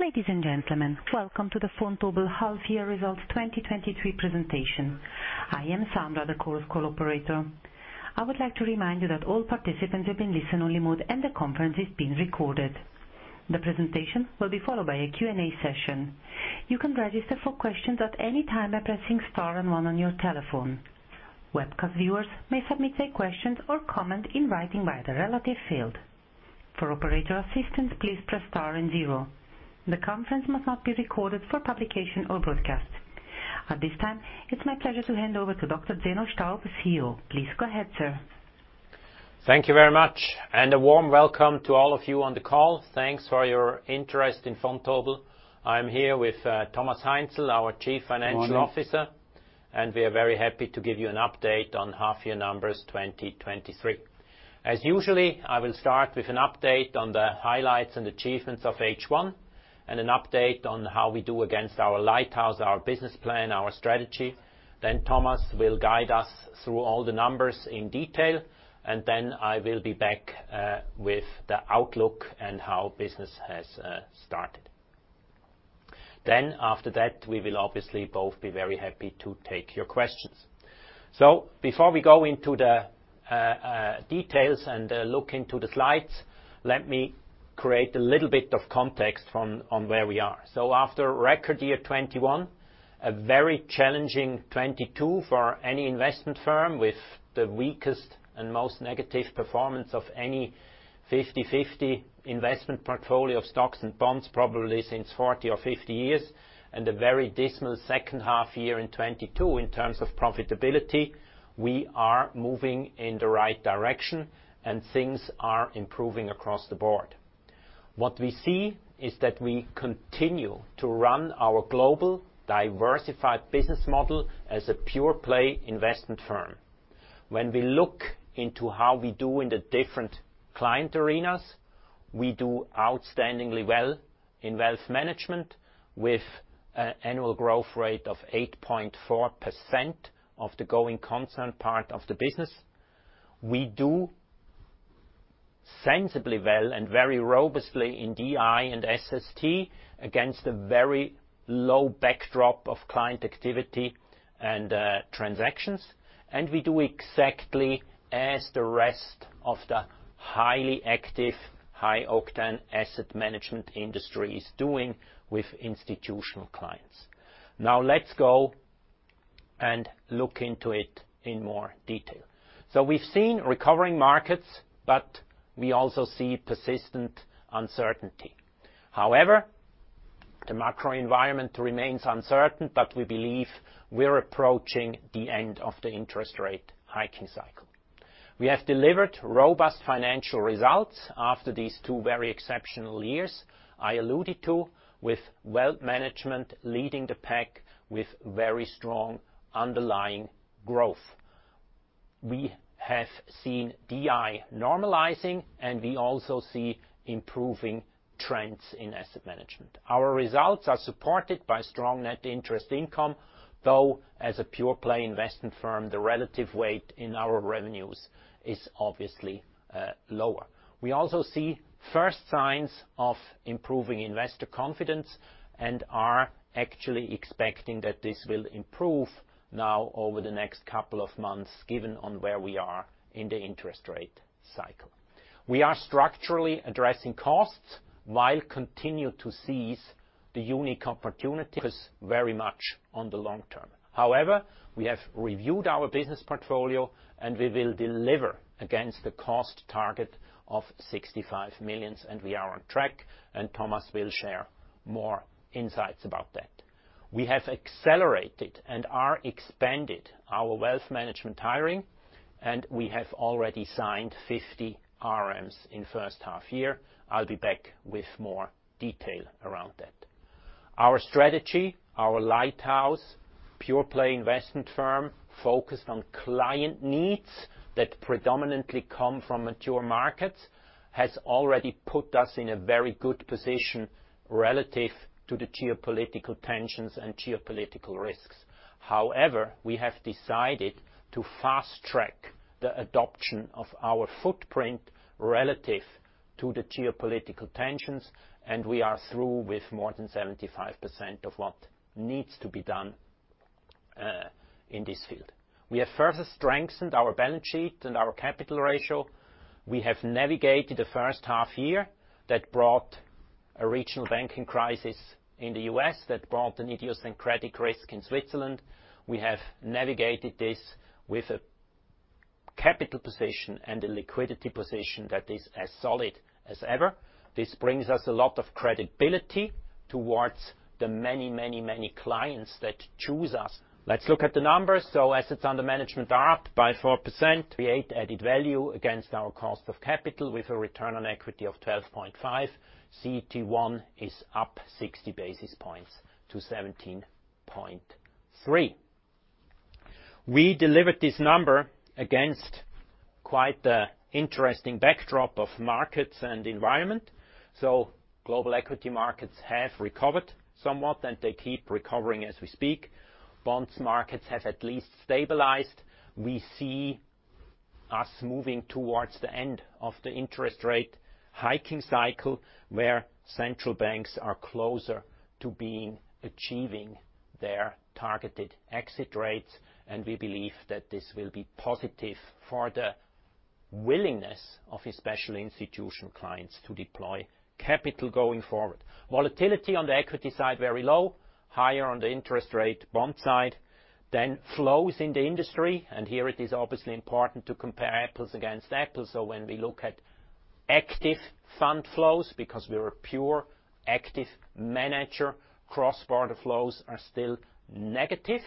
Ladies and gentlemen, welcome to the Vontobel Half Year Results 2023 Presentation. I am Sandra, the conference call operator. I would like to remind you that all participants have been listen only mode and the conference is being recorded. The presentation will be followed by a Q&A session. You can register for questions at any time by pressing star and one on your telephone. Webcast viewers may submit their questions or comment in writing by the relative field. For operator assistance, please press star and zero. The conference must not be recorded for publication or broadcast. At this time, it's my pleasure to hand over to Dr. Zeno Staub, CEO. Please go ahead, sir. Thank you very much, a warm welcome to all of you on the call. Thanks for your interest in Vontobel. I'm here with Thomas Heinzl, our Chief Financial Officer. Good morning. We are very happy to give you an update on half year numbers 2023. As usual, I will start with an update on the highlights and achievements of H1, and an update on how we do against our Lighthouse, our business plan, our strategy. Thomas will guide us through all the numbers in detail, I will be back with the outlook and how business has started. After that, we will obviously both be very happy to take your questions. Before we go into the details and look into the slides, let me create a little bit of context from on where we are. After record year 2021, a very challenging 2022 for any investment firm, with the weakest and most negative performance of any 50/50 investment portfolio of stocks and bonds, probably since 40 or 50 years, and a very dismal second half year in 2022. In terms of profitability, we are moving in the right direction and things are improving across the board. What we see is that we continue to run our global, diversified business model as a pure-play investment firm. When we look into how we do in the different client arenas, we do outstandingly well in Wealth Management, with annual growth rate of 8.4% of the going concern part of the business. We do sensibly well and very robustly in DI and SST against a very low backdrop of client activity and transactions. We do exactly as the rest of the highly active, high-octane Asset Management industry is doing with Institutional Clients. Now, let's go and look into it in more detail. We've seen recovering markets, but we also see persistent uncertainty. However, the macro environment remains uncertain, but we believe we're approaching the end of the interest rate hiking cycle. We have delivered robust financial results after these two very exceptional years I alluded to, with Wealth Management leading the pack with very strong underlying growth. We have seen DI normalizing, we also see improving trends in Asset Management. Our results are supported by strong net interest income, though, as a pure-play investment firm, the relative weight in our revenues is obviously lower. We also see first signs of improving investor confidence and are actually expecting that this will improve now over the next couple of months, given on where we are in the interest rate cycle. We are structurally addressing costs while continue to seize the unique opportunity, because very much on the long term. We have reviewed our business portfolio, and we will deliver against the cost target of 65 million, and we are on track, and Thomas will share more insights about that. We have accelerated and are expanded our Wealth Management hiring, and we have already signed 50 RMs in first half year. I'll be back with more detail around that. Our strategy, our Lighthouse, pure-play investment firm, focused on client needs that predominantly come from mature markets, has already put us in a very good position relative to the geopolitical tensions and geopolitical risks. However, we have decided to fast-track the adoption of our footprint relative to the geopolitical tensions, and we are through with more than 75% of what needs to be done in this field. We have further strengthened our balance sheet and our capital ratio. We have navigated the first half year that brought a regional banking crisis in the U.S., that brought an idiosyncratic risk in Switzerland. We have navigated this with a capital position and a liquidity position that is as solid as ever. This brings us a lot of credibility towards the many, many, many clients that choose us. Let's look at the numbers. Assets under management are up by 4%, create added value against our cost of capital with a return on equity of 12.5. CET1 is up 60 basis points to 17.3. We delivered this number against quite the interesting backdrop of markets and environment. Global equity markets have recovered somewhat, and they keep recovering as we speak. Bonds markets have at least stabilized. We see us moving towards the end of the interest rate hiking cycle, where central banks are closer to being achieving their targeted exit rates, and we believe that this will be positive for the willingness of special institution clients to deploy capital going forward. Volatility on the equity side, very low, higher on the interest rate bond side. Flows in the industry, and here it is obviously important to compare apples against apples. When we look at active fund flows, because we are a pure active manager, cross-border flows are still negative,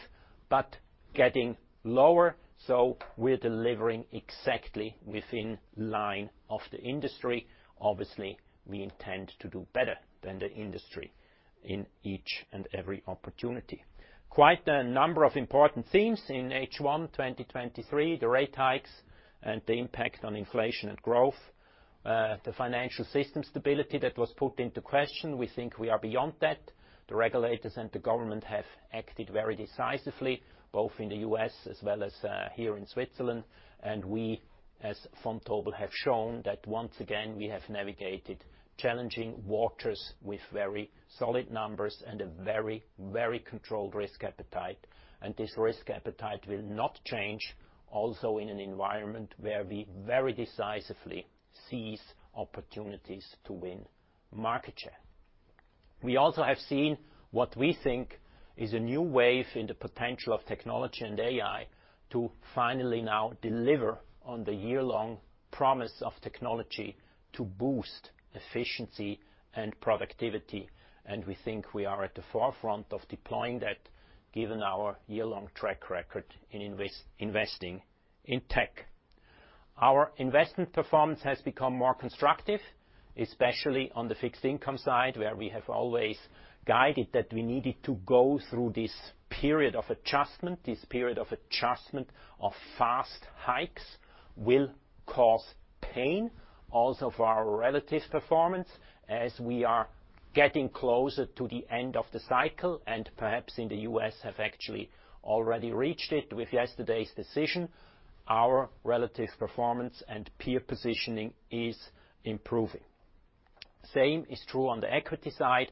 but getting lower, so we're delivering exactly within line of the industry. Obviously, we intend to do better than the industry in each and every opportunity. Quite a number of important themes in H1 2023, the rate hikes and the impact on inflation and growth, the financial system stability that was put into question. We think we are beyond that. The regulators and the government have acted very decisively, both in the U.S. as well as here in Switzerland. We, as Vontobel, have shown that once again, we have navigated challenging waters with very solid numbers and a very, very controlled risk appetite, and this risk appetite will not change, also in an environment where we very decisively seize opportunities to win market share. We also have seen what we think is a new wave in the potential of technology and AI to finally now deliver on the year-long promise of technology to boost efficiency and productivity. We think we are at the forefront of deploying that, given our year-long track record in investing in tech. Our investment performance has become more constructive, especially on the fixed income side, where we have always guided that we needed to go through this period of adjustment. This period of adjustment of fast hikes will cause pain, also for our relative performance, as we are getting closer to the end of the cycle. Perhaps in the U.S., have actually already reached it with yesterday's decision. Our relative performance and peer positioning is improving. Same is true on the equity side.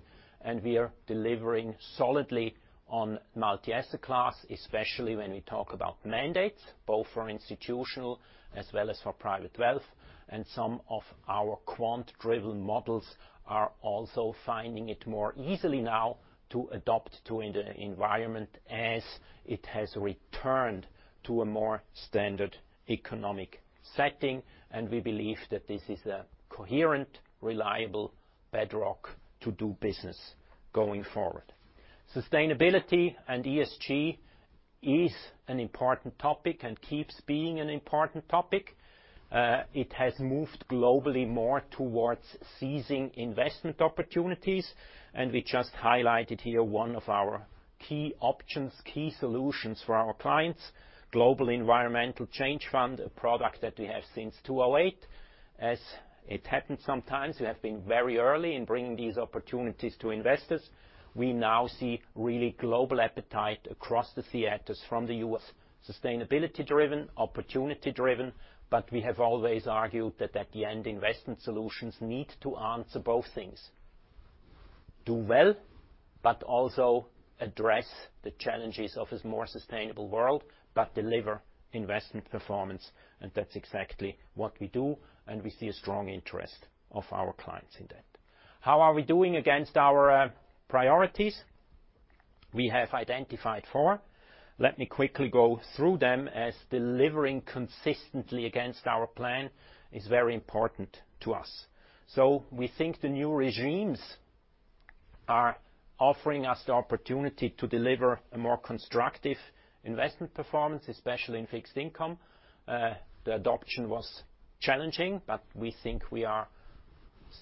We are delivering solidly on multi-asset class, especially when we talk about mandates, both for institutional as well as for private wealth. Some of our quant-driven models are also finding it more easily now to adapt to the environment as it has returned to a more standard economic setting, and we believe that this is a coherent, reliable bedrock to do business going forward. Sustainability and ESG is an important topic and keeps being an important topic. It has moved globally more towards seizing investment opportunities, and we just highlighted here one of our key options, key solutions for our clients, Global Environmental Change Fund, a product that we have since 2008. As it happens sometimes, we have been very early in bringing these opportunities to investors. We now see really global appetite across the theaters from the U.S., sustainability-driven, opportunity-driven. We have always argued that at the end, investment solutions need to answer both things: do well, but also address the challenges of a more sustainable world, but deliver investment performance, and that's exactly what we do, and we see a strong interest of our clients in that. How are we doing against our priorities? We have identified four. Let me quickly go through them, as delivering consistently against our plan is very important to us. We think the new regimes are offering us the opportunity to deliver a more constructive investment performance, especially in fixed income. The adoption was challenging. We think we are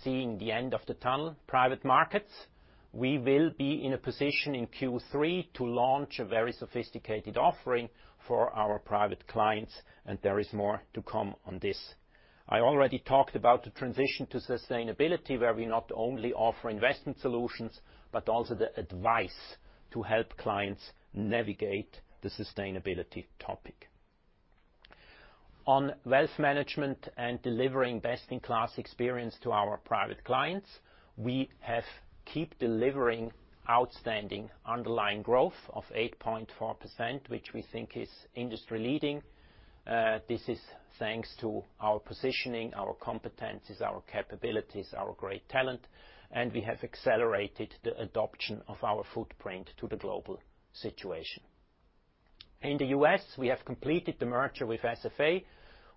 seeing the end of the tunnel. Private markets, we will be in a position in Q3 to launch a very sophisticated offering for our Private Clients, and there is more to come on this. I already talked about the transition to sustainability, where we not only offer investment solutions, but also the advice to help clients navigate the sustainability topic. On Wealth Management and delivering best-in-class experience to our Private Clients, we have keep delivering outstanding underlying growth of 8.4%, which we think is industry-leading. This is thanks to our positioning, our competencies, our capabilities, our great talent, and we have accelerated the adoption of our footprint to the global situation. In the U.S., we have completed the merger with SFA.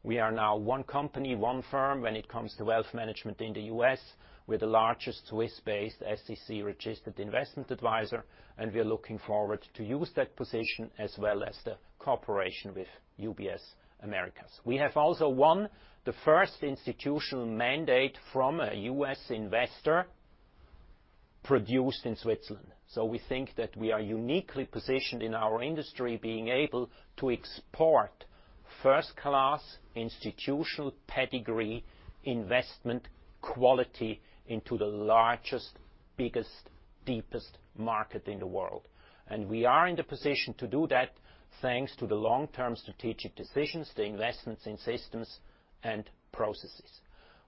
We are now one company, one firm, when it comes to Wealth Management in the U.S. We're the largest Swiss-based, SEC-registered investment advisor. We are looking forward to use that position as well as the cooperation with UBS Americas. We have also won the first institutional mandate from a U.S. investor produced in Switzerland. We think that we are uniquely positioned in our industry, being able to export first-class, institutional pedigree, investment quality into the largest, biggest deepest market in the world. We are in the position to do that, thanks to the long-term strategic decisions, the investments in systems and processes.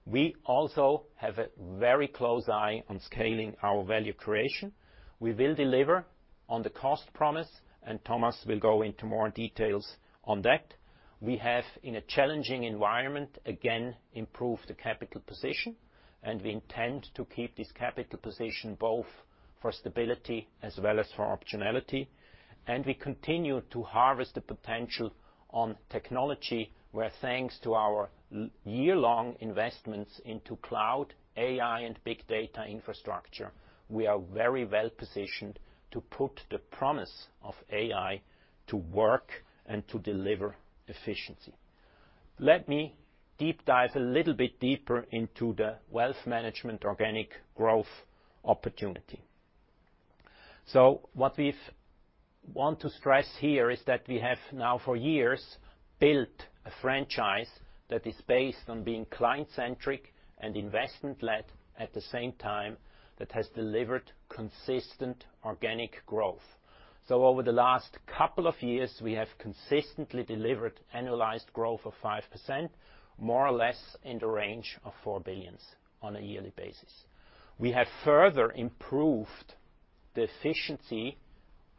We also have a very close eye on scaling our value creation. We will deliver on the cost promise. Thomas will go into more details on that. We have, in a challenging environment, again, improved the capital position. We intend to keep this capital position both for stability as well as for optionality. We continue to harvest the potential on technology, where thanks to our year-long investments into cloud, AI, and big data infrastructure, we are very well-positioned to put the promise of AI to work and to deliver efficiency. Let me deep dive a little bit deeper into the Wealth Management organic growth opportunity. What we've want to stress here is that we have now, for years, built a franchise that is based on being client-centric and investment-led, at the same time, that has delivered consistent organic growth. Over the last couple of years, we have consistently delivered annualized growth of 5%, more or less in the range of 4 billion on a yearly basis. We have further improved the efficiency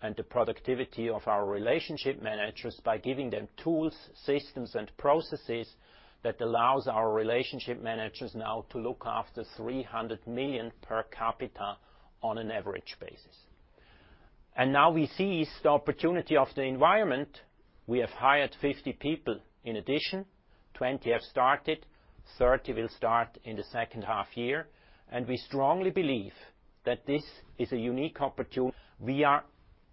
and the productivity of our relationship managers by giving them tools, systems, and processes that allows our relationship managers now to look after 300 million per capita on an average basis. Now we seize the opportunity of the environment. We have hired 50 people in addition. 20 have started, 30 will start in the second half year. We strongly believe that this is a unique opportunity. We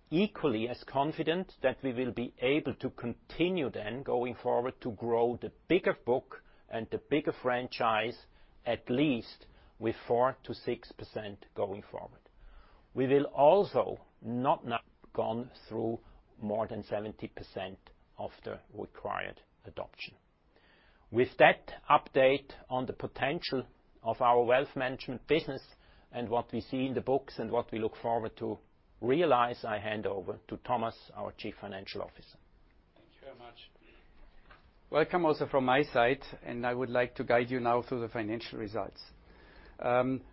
are equally as confident that we will be able to continue then, going forward, to grow the bigger book and the bigger franchise, at least with 4%-6% going forward. We will also gone through more than 70% of the required adoption. With that update on the potential of our Wealth Management business and what we see in the books and what we look forward to realize, I hand over to Thomas, our Chief Financial Officer. Thank you very much. Welcome, also from my side, I would like to guide you now through the financial results.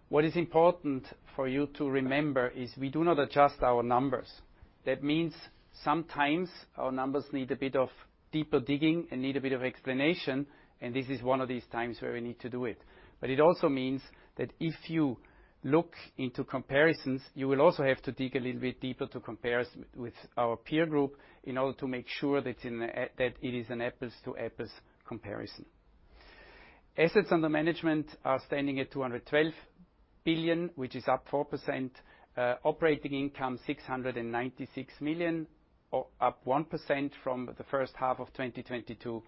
What is important for you to remember is we do not adjust our numbers. Sometimes our numbers need a bit of deeper digging and need a bit of explanation, and this is one of these times where we need to do it. It also means that if you look into comparisons, you will also have to dig a little bit deeper to compare us with our peer group in order to make sure that it is an apples-to-apples comparison. Assets under management are standing at 212 billion, which is up 4%. Operating income, 696 million, or up 1% from the first half of 2022.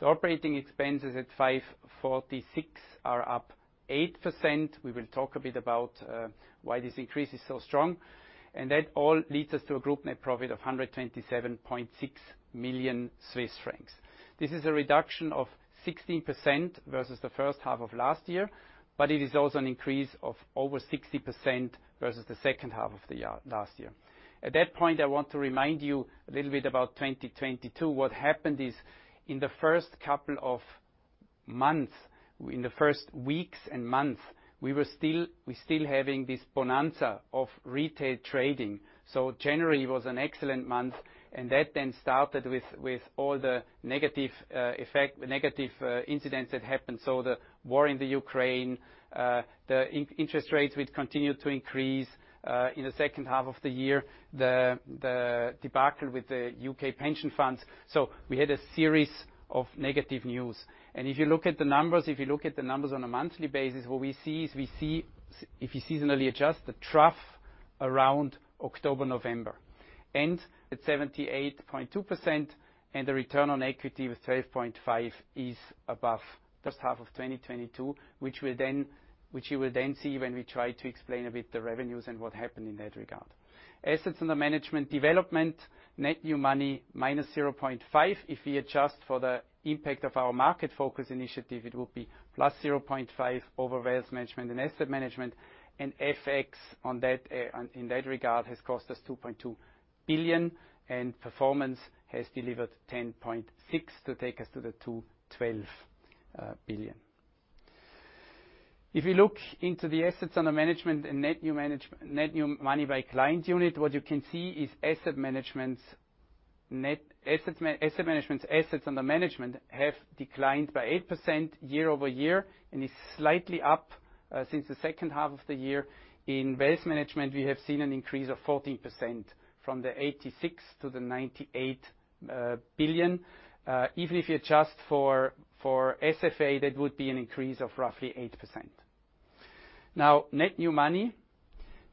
The operating expenses at 546 are up 8%. We will talk a bit about why this increase is so strong. That all leads us to a group net profit of 127.6 million Swiss francs. This is a reduction of 16% vs the first half of last year, but it is also an increase of over 60% vs the second half of last year. At that point, I want to remind you a little bit about 2022. What happened is, in the first couple of months, in the first weeks and months, we still having this bonanza of retail trading. January was an excellent month, and that then started with all the negative effect, negative incidents that happened. The war in the Ukraine, interest rates, which continued to increase in the second half of the year, the debacle with the U.K. pension funds. We had a series of negative news. If you look at the numbers on a monthly basis, what we see is we see, if you seasonally adjust, the trough around October, November. At 78.2%, the return on equity with 12.5% is above the first half of 2022, which you will then see when we try to explain a bit the revenues and what happened in that regard. Assets under management development, net new money, -0.5%. If we adjust for the impact of our market focus initiative, it will be plus 0.5 over Wealth Management and Asset Management. FX in that regard has cost us 2.2 billion, and performance has delivered 10.6 to take us to the 212 billion. If you look into the assets under management and net new money by client unit, what you can see is Asset Management's assets under management have declined by 8% year-over-year, and is slightly up since the second half of the year. In Wealth Management, we have seen an increase of 14% from 86 billion-98 billion. Even if you adjust for SFA, that would be an increase of roughly 8%. Now, net new money.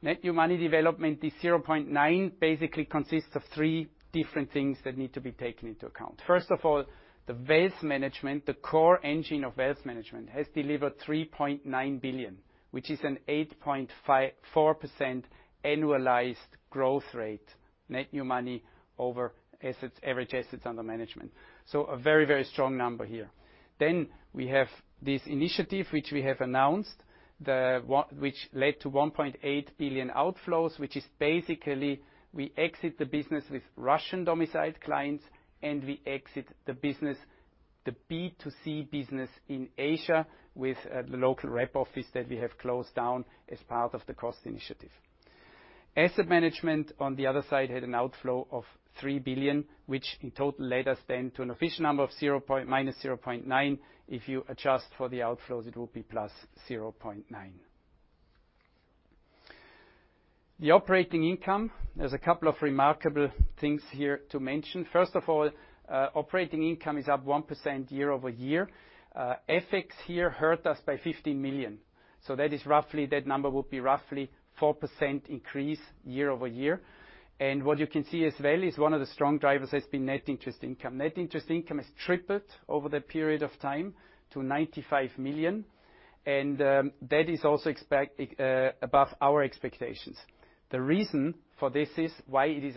Net new money development is 0.9 billion, basically consists of three different things that need to be taken into account. First of all, the Wealth Management, the core engine of Wealth Management, has delivered 3.9 billion, which is an 8.54% annualized growth rate, net new money over assets, average assets under management. A very, very strong number here. We have this initiative, which we have announced, which led to 1.8 billion outflows, which is basically, we exit the business with Russian-domiciled clients, and we exit the business, the B2C business in Asia, with a local rep office that we have closed down as part of the cost initiative. Asset Management, on the other side, had an outflow of 3 billion, which in total led us to an official number of -0.9 billion. If you adjust for the outflows, it will be +0.9 billion. The operating income, there's a couple of remarkable things here to mention. First of all, operating income is up 1% year-over-year. FX here hurt us by 15 million, so that is roughly, that number would be roughly 4% increase year-over-year. What you can see as well, is one of the strong drivers has been net interest income. Net interest income has tripled over the period of time to 95 million, that is also expect above our expectations. The reason for this is, why it is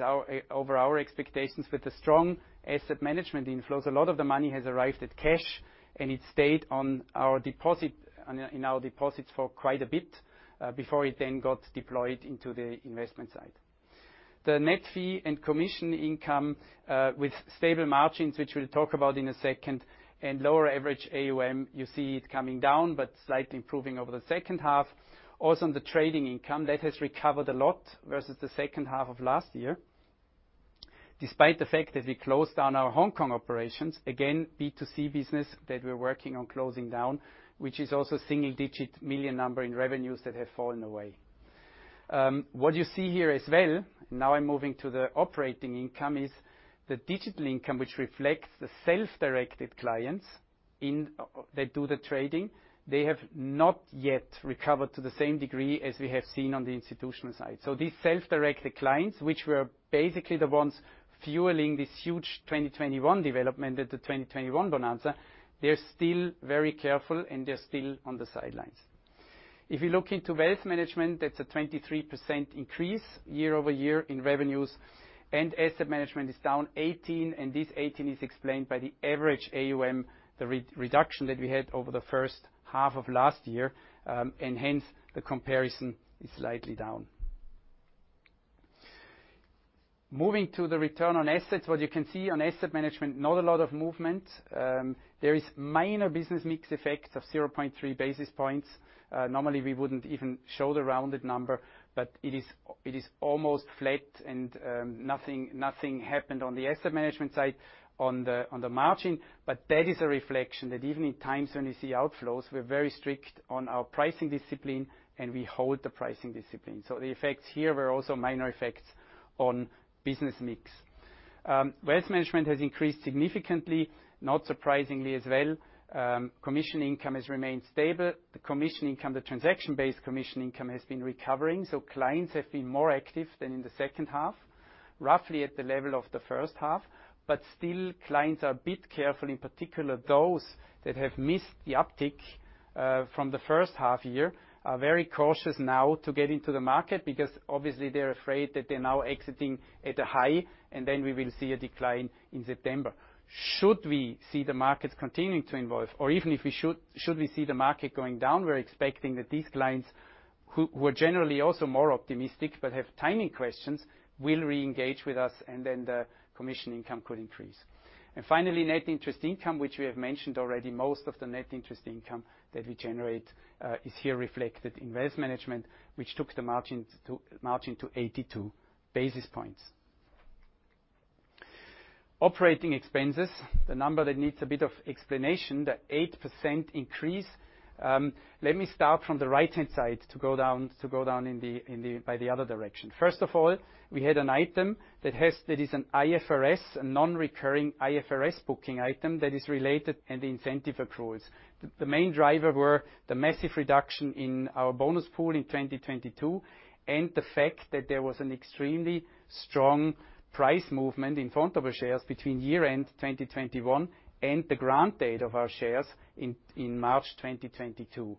over our expectations, with the strong Asset Management inflows, a lot of the money has arrived at cash, and it stayed on our deposits for quite a bit, before it then got deployed into the investment side. The net fee and commission income, with stable margins, which we'll talk about in a second, and lower average AUM, you see it coming down, but slightly improving over the second half. On the trading income, that has recovered a lot vs the second half of last year. Despite the fact that we closed down our Hong Kong operations, again, B2C business that we're working on closing down, which is also CHF single digit million number in revenues that have fallen away. What you see here as well, now I'm moving to the operating income, is the digital income, which reflects the self-directed clients that do the trading. They have not yet recovered to the same degree as we have seen on the institutional side. These self-directed clients, which were basically the ones fueling this huge 2021 development, at the 2021 bonanza, they're still very careful, and they're still on the sidelines. If you look into Wealth Management, that's a 23% increase year-over-year in revenues. Asset Management is down 18%, and this 18% is explained by the average AUM, the reduction that we had over the first half of last year, hence, the comparison is slightly down. Moving to the return on assets. What you can see on Asset Management, not a lot of movement. There is minor business mix effect of 0.3 basis points. Normally, we wouldn't even show the rounded number, but it is almost flat, nothing happened on the Asset Management side on the, on the margin. That is a reflection that even in times when we see outflows, we're very strict on our pricing discipline, and we hold the pricing discipline. The effects here were also minor effects on business mix. Wealth Management has increased significantly, not surprisingly as well. Commission income has remained stable. The commission income, the transaction-based commission income, has been recovering, so clients have been more active than in the second half, roughly at the level of the first half. Still, clients are a bit careful, in particular, those that have missed the uptick from the first half year, are very cautious now to get into the market, because obviously, they're afraid that they're now exiting at a high, and then we will see a decline in September. Should we see the markets continuing to involve, or even if we should we see the market going down, we're expecting that these clients, who are generally also more optimistic but have timing questions, will re-engage with us, and then the commission income could increase. Finally, net interest income, which we have mentioned already, most of the net interest income that we generate, is here reflected in Wealth Management, which took the margin to 82 basis points. Operating expenses, the number that needs a bit of explanation, the 8% increase. Let me start from the right-hand side to go down by the other direction. First of all, we had an item that is an IFRS, a non-recurring IFRS booking item, that is related and incentive accruals. The main driver were the massive reduction in our bonus pool in 2022, and the fact that there was an extremely strong price movement in front of our shares between year-end 2021 and the grant date of our shares in March 2022.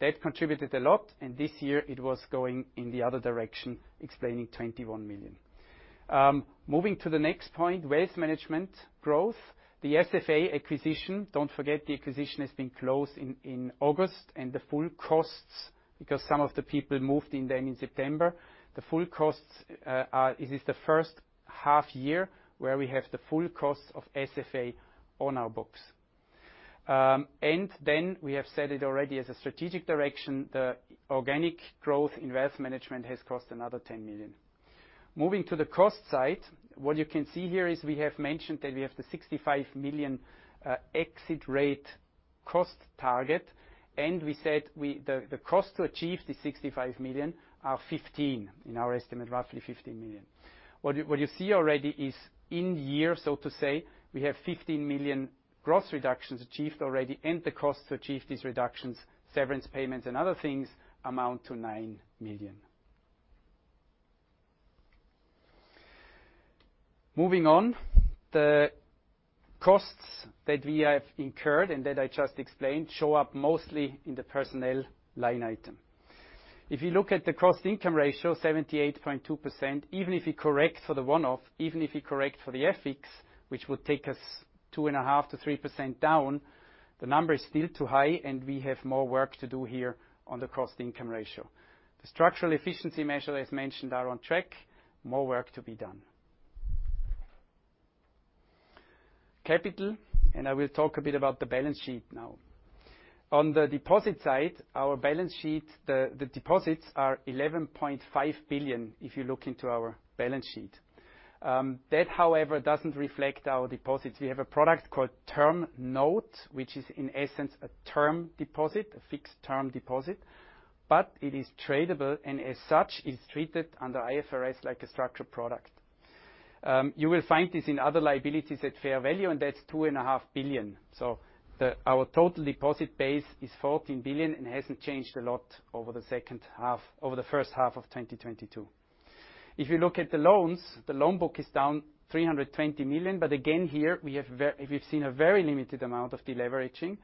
That contributed a lot, and this year it was going in the other direction, explaining 21 million. Moving to the next point, Wealth Management growth. The SFA acquisition, don't forget the acquisition has been closed in August, and the full costs, because some of the people moved in then in September. The full costs, this is the first half year where we have the full costs of SFA on our books. Then we have said it already as a strategic direction, the organic growth in Wealth Management has cost another 10 million. Moving to the cost side, what you can see here is we have mentioned that we have the 65 million exit rate cost target. We said we, the cost to achieve the 65 million are 15 million, in our estimate, roughly 15 million. What you see already is in year, so to say, we have 15 million gross reductions achieved already. The costs to achieve these reductions, severance payments, and other things amount to 9 million. Moving on, the costs that we have incurred, and that I just explained, show up mostly in the personnel line item. If you look at the cost-income ratio, 78.2%, even if you correct for the one-off, even if you correct for the FX, which would take us 2.5%-3% down, the number is still too high. We have more work to do here on the cost-income ratio. The structural efficiency measure, as mentioned, are on track. More work to be done. Capital, I will talk a bit about the balance sheet now. On the deposit side, our balance sheet, the deposits are 11.5 billion, if you look into our balance sheet. That, however, doesn't reflect our deposits. We have a product called Term Note, which is, in essence, a term deposit, a Fixed Term Deposit, but it is tradable, and as such, is treated under IFRS like a structured product. You will find this in other liabilities at fair value, that's 2.5 billion. Our total deposit base is 14 billion and hasn't changed a lot over the first half of 2022. If you look at the loans, the loan book is down 320 million, again here, we've seen a very limited amount of deleveraging.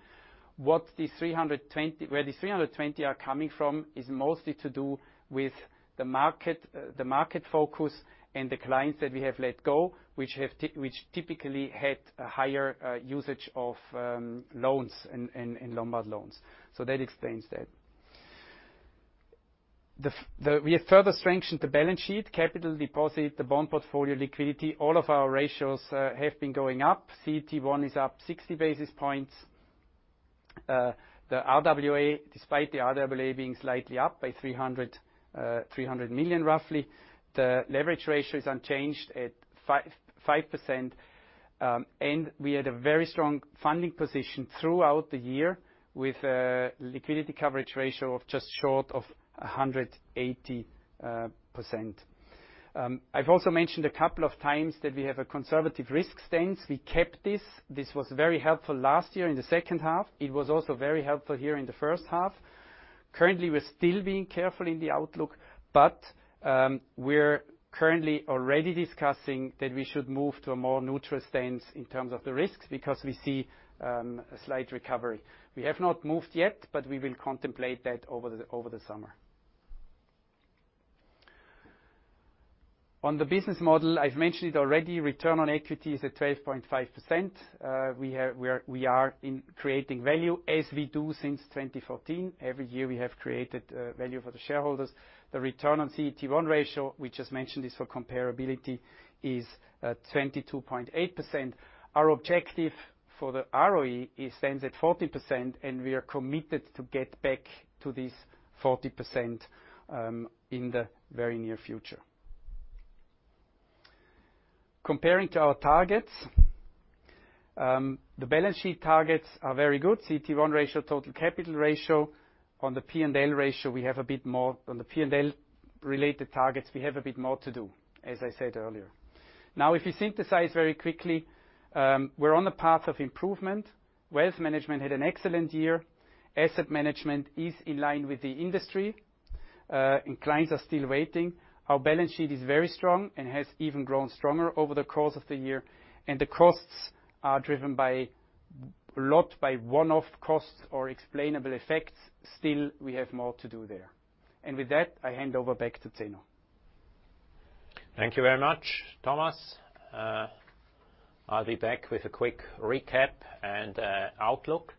What the 320 million where the 320 million are coming from is mostly to do with the market, the market focus and the clients that we have let go, which typically had a higher usage of loans and Lombard loans. That explains that. We have further strengthened the balance sheet, capital deposit, the bond portfolio liquidity, all of our ratios have been going up. CET1 is up 60 basis points. The RWA, despite the RWA being slightly up by 300 million, roughly, the leverage ratio is unchanged at 5.5%. We had a very strong funding position throughout the year, with a liquidity coverage ratio of just short of 180%. I've also mentioned a couple of times that we have a conservative risk stance. We kept this. This was very helpful last year in the second half. It was also very helpful here in the first half. Currently, we're still being careful in the outlook, but we're currently already discussing that we should move to a more neutral stance in terms of the risks, because we see a slight recovery. We have not moved yet, but we will contemplate that over the summer. On the business model, I've mentioned it already, return on equity is at 12.5%. We are in creating value, as we do since 2014. Every year, we have created value for the shareholders. The return on CET1 ratio, we just mentioned this for comparability, is 22.8%. Our objective for the ROE is stands at 40%, and we are committed to get back to this 40% in the very near future. Comparing to our targets, the balance sheet targets are very good. CET1 ratio, total capital ratio. On the P&L ratio, we have a bit more... On the P&L-related targets, we have a bit more to do, as I said earlier. Now, if you synthesize very quickly, we're on the path of improvement. Wealth Management had an excellent year. Asset Management is in line with the industry, and clients are still waiting. Our balance sheet is very strong and has even grown stronger over the course of the year, and the costs are driven a lot by one-off costs or explainable effects. Still, we have more to do there. With that, I hand over back to Zeno. Thank you very much, Thomas. I'll be back with a quick recap and outlook.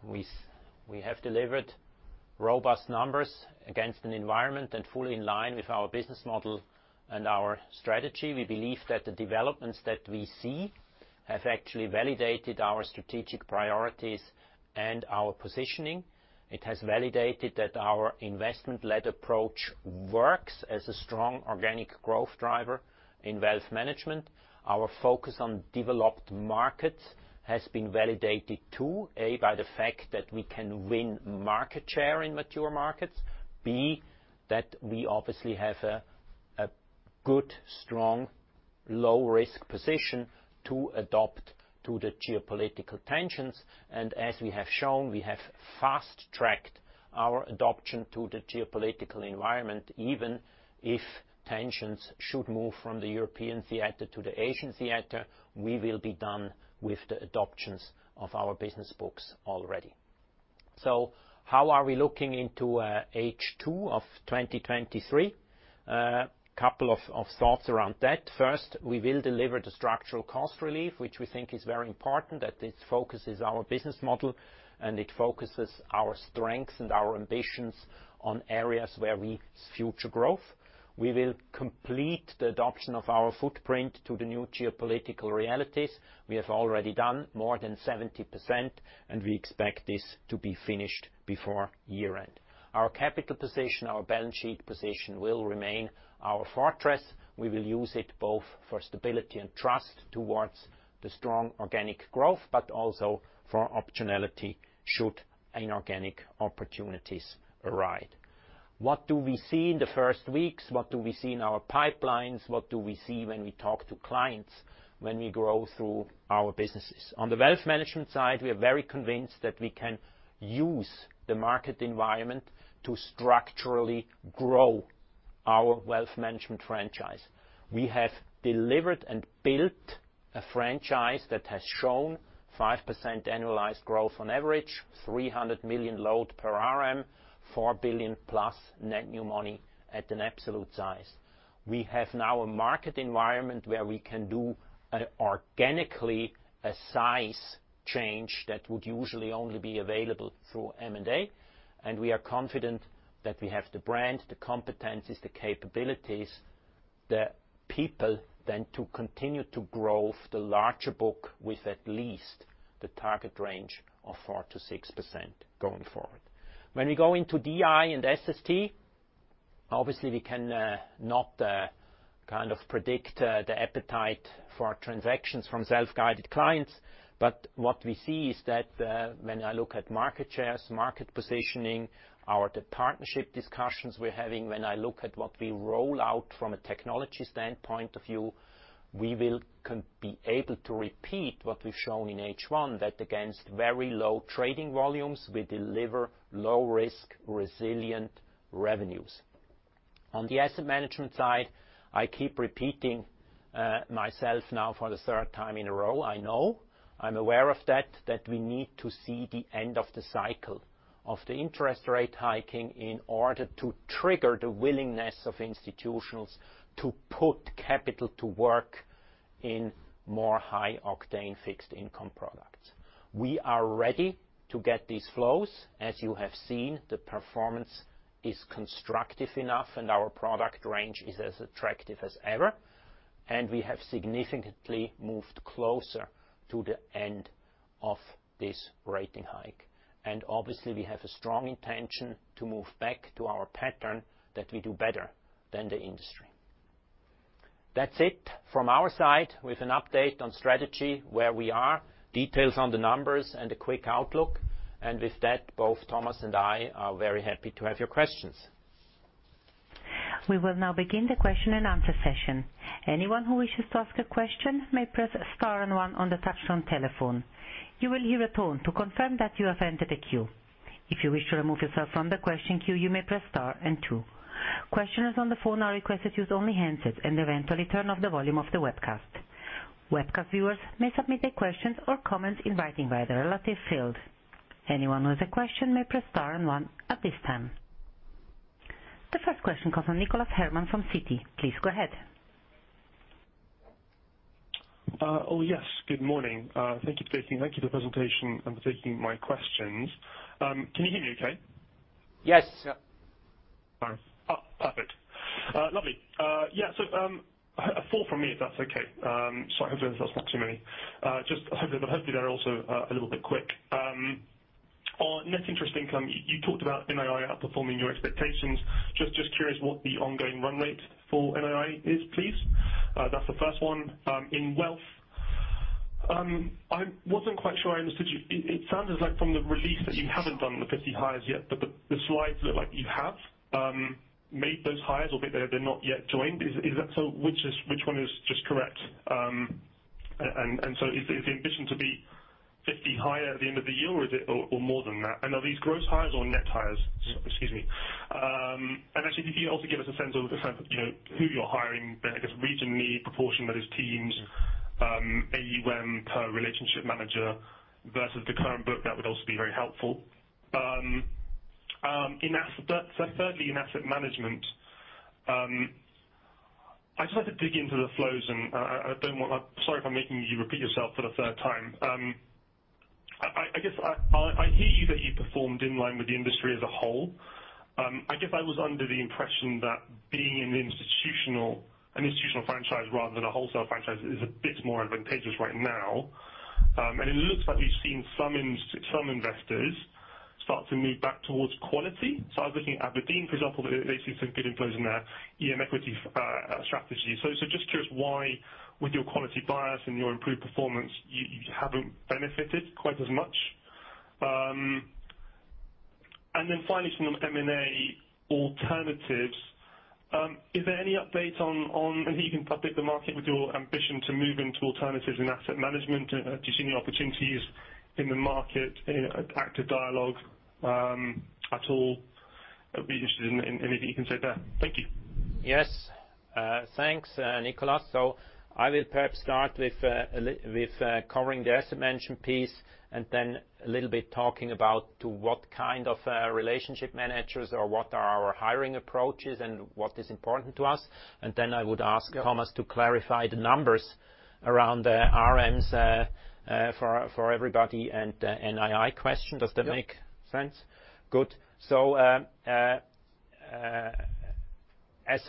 We have delivered robust numbers against an environment and fully in line with our business model and our strategy. We believe that the developments that we see have actually validated our strategic priorities and our positioning. It has validated that our investment-led approach works as a strong organic growth driver in Wealth Management. Our focus on developed markets has been validated, too, A, by the fact that we can win market share in mature markets. B, that we obviously have a good, strong, low-risk position to adopt to the geopolitical tensions. As we have shown, we have fast-tracked our adoption to the geopolitical environment, even if tensions should move from the European theater to the Asian theater, we will be done with the adoptions of our business books already. How are we looking into H2 of 2023? Couple of thoughts around that. First, we will deliver the structural cost relief, which we think is very important, that it focuses our business model, and it focuses our strengths and our ambitions on areas where we see future growth. We will complete the adoption of our footprint to the new geopolitical realities. We have already done more than 70%, and we expect this to be finished before year-end. Our capital position, our balance sheet position, will remain our fortress. We will use it both for stability and trust towards the strong organic growth, but also for optionality, should inorganic opportunities arise. What do we see in the first weeks? What do we see in our pipelines? What do we see when we talk to clients, when we grow through our businesses? On the Wealth Management side, we are very convinced that we can use the market environment to structurally grow our Wealth Management franchise. We have delivered and built a franchise that has shown 5% annualized growth on average, 300 million load per RM, 4 billion+ net new money at an absolute size. We have now a market environment where we can do organically. change that would usually only be available through M&A, and we are confident that we have the brand, the competencies, the capabilities, the people, then to continue to grow the larger book with at least the target range of 4%-6% going forward. When we go into DI and SST, obviously, we can not kind of predict the appetite for our transactions from self-guided clients, but what we see is that, when I look at market shares, market positioning, or the partnership discussions we're having, when I look at what we roll out from a technology standpoint of view, we will be able to repeat what we've shown in H1, that against very low trading volumes, we deliver low risk, resilient revenues. On the Asset Management side, I keep repeating myself now for the third time in a row. I know. I'm aware of that we need to see the end of the cycle of the interest rate hiking in order to trigger the willingness of institutions to put capital to work in more high-octane fixed income products. We are ready to get these flows. As you have seen, the performance is constructive enough, and our product range is as attractive as ever, and we have significantly moved closer to the end of this rating hike. Obviously, we have a strong intention to move back to our pattern that we do better than the industry. That's it from our side, with an update on strategy, where we are, details on the numbers and a quick outlook. With that, both Thomas and I are very happy to have your questions. We will now begin the question and answer session. Anyone who wishes to ask a question may press star one on the touchtone telephone. You will hear a tone to confirm that you have entered the queue. If you wish to remove yourself from the question queue, you may press star and two. Questioners on the phone are requested to use only handsets and eventually turn off the volume of the webcast. Webcast viewers may submit their questions or comments in writing via the relative field. Anyone with a question may press star one at this time. The first question comes from Nicholas Herman from Citi. Please go ahead. Oh, yes, good morning. Thank you for the presentation and for taking my questions. Can you hear me okay? Yes. All right. Perfect. Lovely. Four from me, if that's okay. I hope that's not too many. Just hopefully they're also a little bit quick. On net interest income, you talked about NII outperforming your expectations. Just curious what the ongoing run rate for NII is, please. That's the first one. In wealth, I wasn't quite sure I understood you. It sounds as like from the release that you haven't done the 50 hires yet, but the slides look like you have made those hires, or maybe they're not yet joined. Is that so? Which one is just correct? Is the ambition to be 50 higher at the end of the year, or is it, or more than that? Are these gross hires or net hires? Excuse me. Actually, if you could also give us a sense of, you know, who you're hiring, I guess, regionally, proportion by those teams, AUM per relationship manager vs the current book, that would also be very helpful. In asset... Thirdly, in Asset Management, I'd just like to dig into the flows, and I don't want... I'm sorry if I'm making you repeat yourself for the third time. I guess I hear you, that you performed in line with the industry as a whole. I guess I was under the impression that being an institutional franchise rather than a wholesale franchise is a bit more advantageous right now. It looks like we've seen some investors start to move back towards quality. I was looking at Aberdeen, for example, they see some good inflows in their EM equity strategy. Just curious why, with your quality bias and your improved performance, you haven't benefited quite as much? Finally, from an M&A alternatives, is there any update on whether you can update the market with your ambition to move into alternatives and Asset Management? Do you see any opportunities in the market, active dialogue, at all? I'd be interested in anything you can say there. Thank you. Thanks, Nicholas. I will perhaps start with covering the Asset Management piece and then a little bit talking about to what kind of relationship managers or what are our hiring approaches and what is important to us. I would ask Thomas to clarify the numbers around the RMs for everybody and the NII question. Yeah. Does that make sense? Good. As I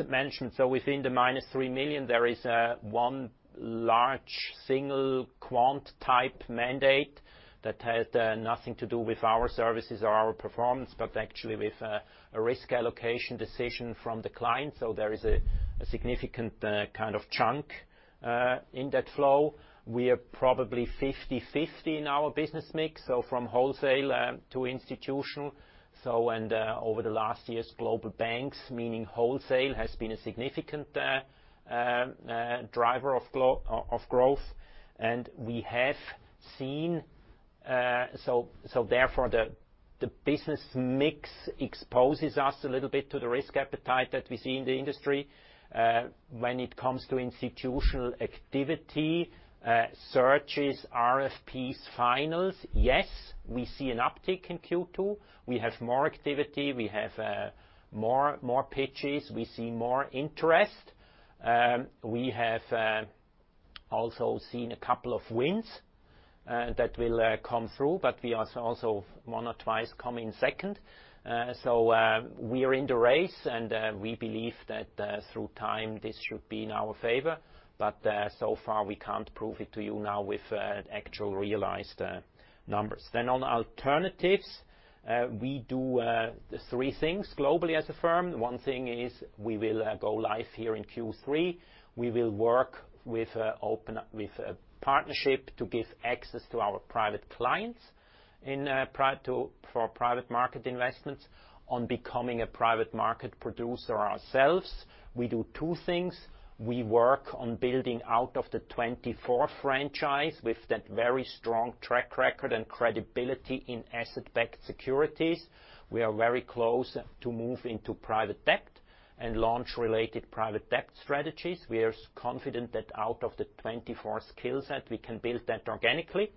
mentioned, within the -3 million, there is one large single quant-type mandate that has nothing to do with our services or our performance, but actually with a risk allocation decision from the client. There is a significant kind of chunk in that flow. We are probably 50/50 in our business mix from wholesale to institutional. Over the last years, global banks, meaning wholesale, has been a significant driver of growth. We have seen therefore, the business mix exposes us a little bit to the risk appetite that we see in the industry. When it comes to institutional activity, searches, RFPs, finals, yes, we see an uptick in Q2. We have more activity. We have more pitches. We see more interest. We have also seen a couple of wins that will come through, but we are also one or twice coming second. We are in the race, and we believe that through time, this should be in our favor. So far, we can't prove it to you now with actual realized numbers. On alternatives, we do three things globally as a firm. One thing is we will go live here in Q3. We will work with a partnership to give access to our Private Clients for private market investments. On becoming a private market producer ourselves, we do two things: We work on building out of the TwentyFour franchise with that very strong track record and credibility in asset-backed securities. We are very close to move into private debt and launch related private debt strategies. We are confident that out of the TwentyFour skill set, we can build that organically.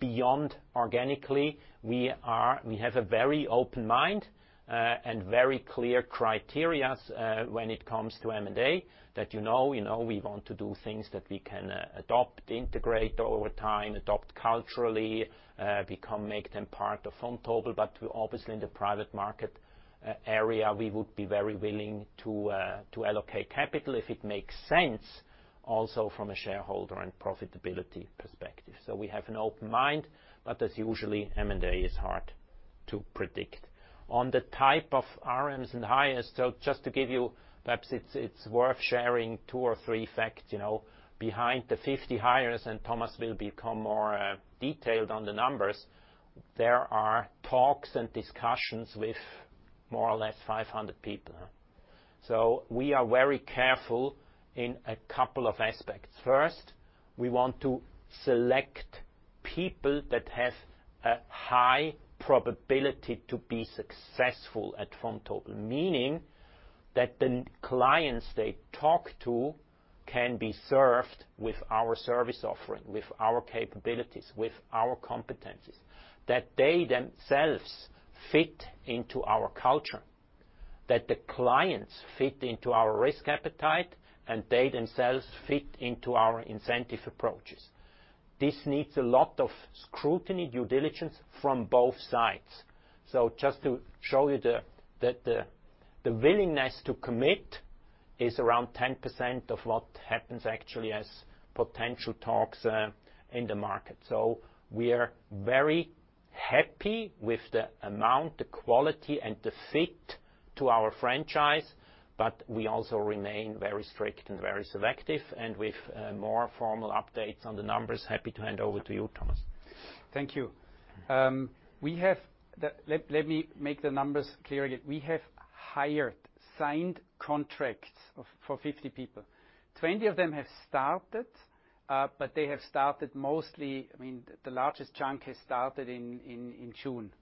Beyond organically, we have a very open mind and very clear criterias when it comes to M&A, that you know, you know, we want to do things that we can adopt, integrate over time, adopt culturally, make them part of Vontobel. Obviously, in the private market area, we would be very willing to allocate capital if it makes sense, also from a shareholder and profitability perspective. We have an open mind, but as usually, M&A is hard to predict. On the type of RMs and hires, just to give you, perhaps it's worth sharing two or three facts, you know, behind the 50 hires, and Thomas will become more detailed on the numbers, there are talks and discussions with more or less 500 people. We are very careful in a couple of aspects. First, we want to select people that have a high probability to be successful at Vontobel, meaning that the clients they talk to can be served with our service offering, with our capabilities, with our competencies, that they themselves fit into our culture, that the clients fit into our risk appetite, and they themselves fit into our incentive approaches. This needs a lot of scrutiny, due diligence from both sides. Just to show you the willingness to commit is around 10% of what happens actually as potential talks in the market. We are very happy with the amount, the quality, and the fit to our franchise, but we also remain very strict and very selective, and with more formal updates on the numbers, happy to hand over to you, Thomas. Thank you. Let me make the numbers clear again. We have hired, signed contracts for 50 people. 20 of them have started, but they have started mostly, I mean, the largest chunk has started in June.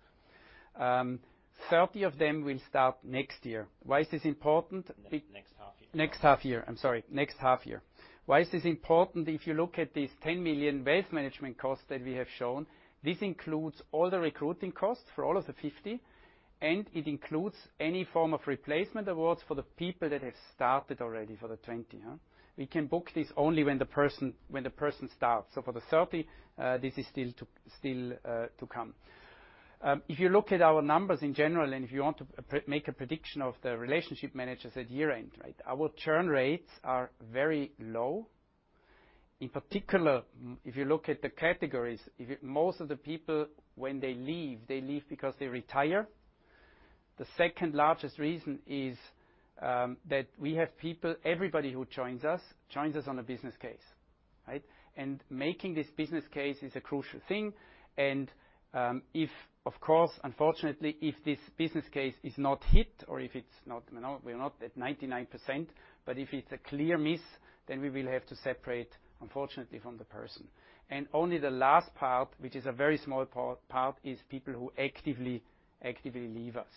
30 of them will start next year. Why is this important? Next half year. Next half year, I'm sorry, next half year. Why is this important? If you look at this 10 million Wealth Management cost that we have shown, this includes all the recruiting costs for all of the 50, and it includes any form of replacement awards for the people that have started already for the 20. We can book this only when the person starts. For the 30, this is still to come. If you look at our numbers in general, and if you want to make a prediction of the relationship managers at year-end, right? Our churn rates are very low. In particular, if you look at the categories, most of the people, when they leave, they leave because they retire. The second largest reason is that we have people, everybody who joins us, joins us on a business case, right? Making this business case is a crucial thing, and if, of course, unfortunately, if this business case is not hit or if it's not, you know, we're not at 99%, but if it's a clear miss, then we will have to separate, unfortunately, from the person. Only the last part, which is a very small part, is people who actively leave us.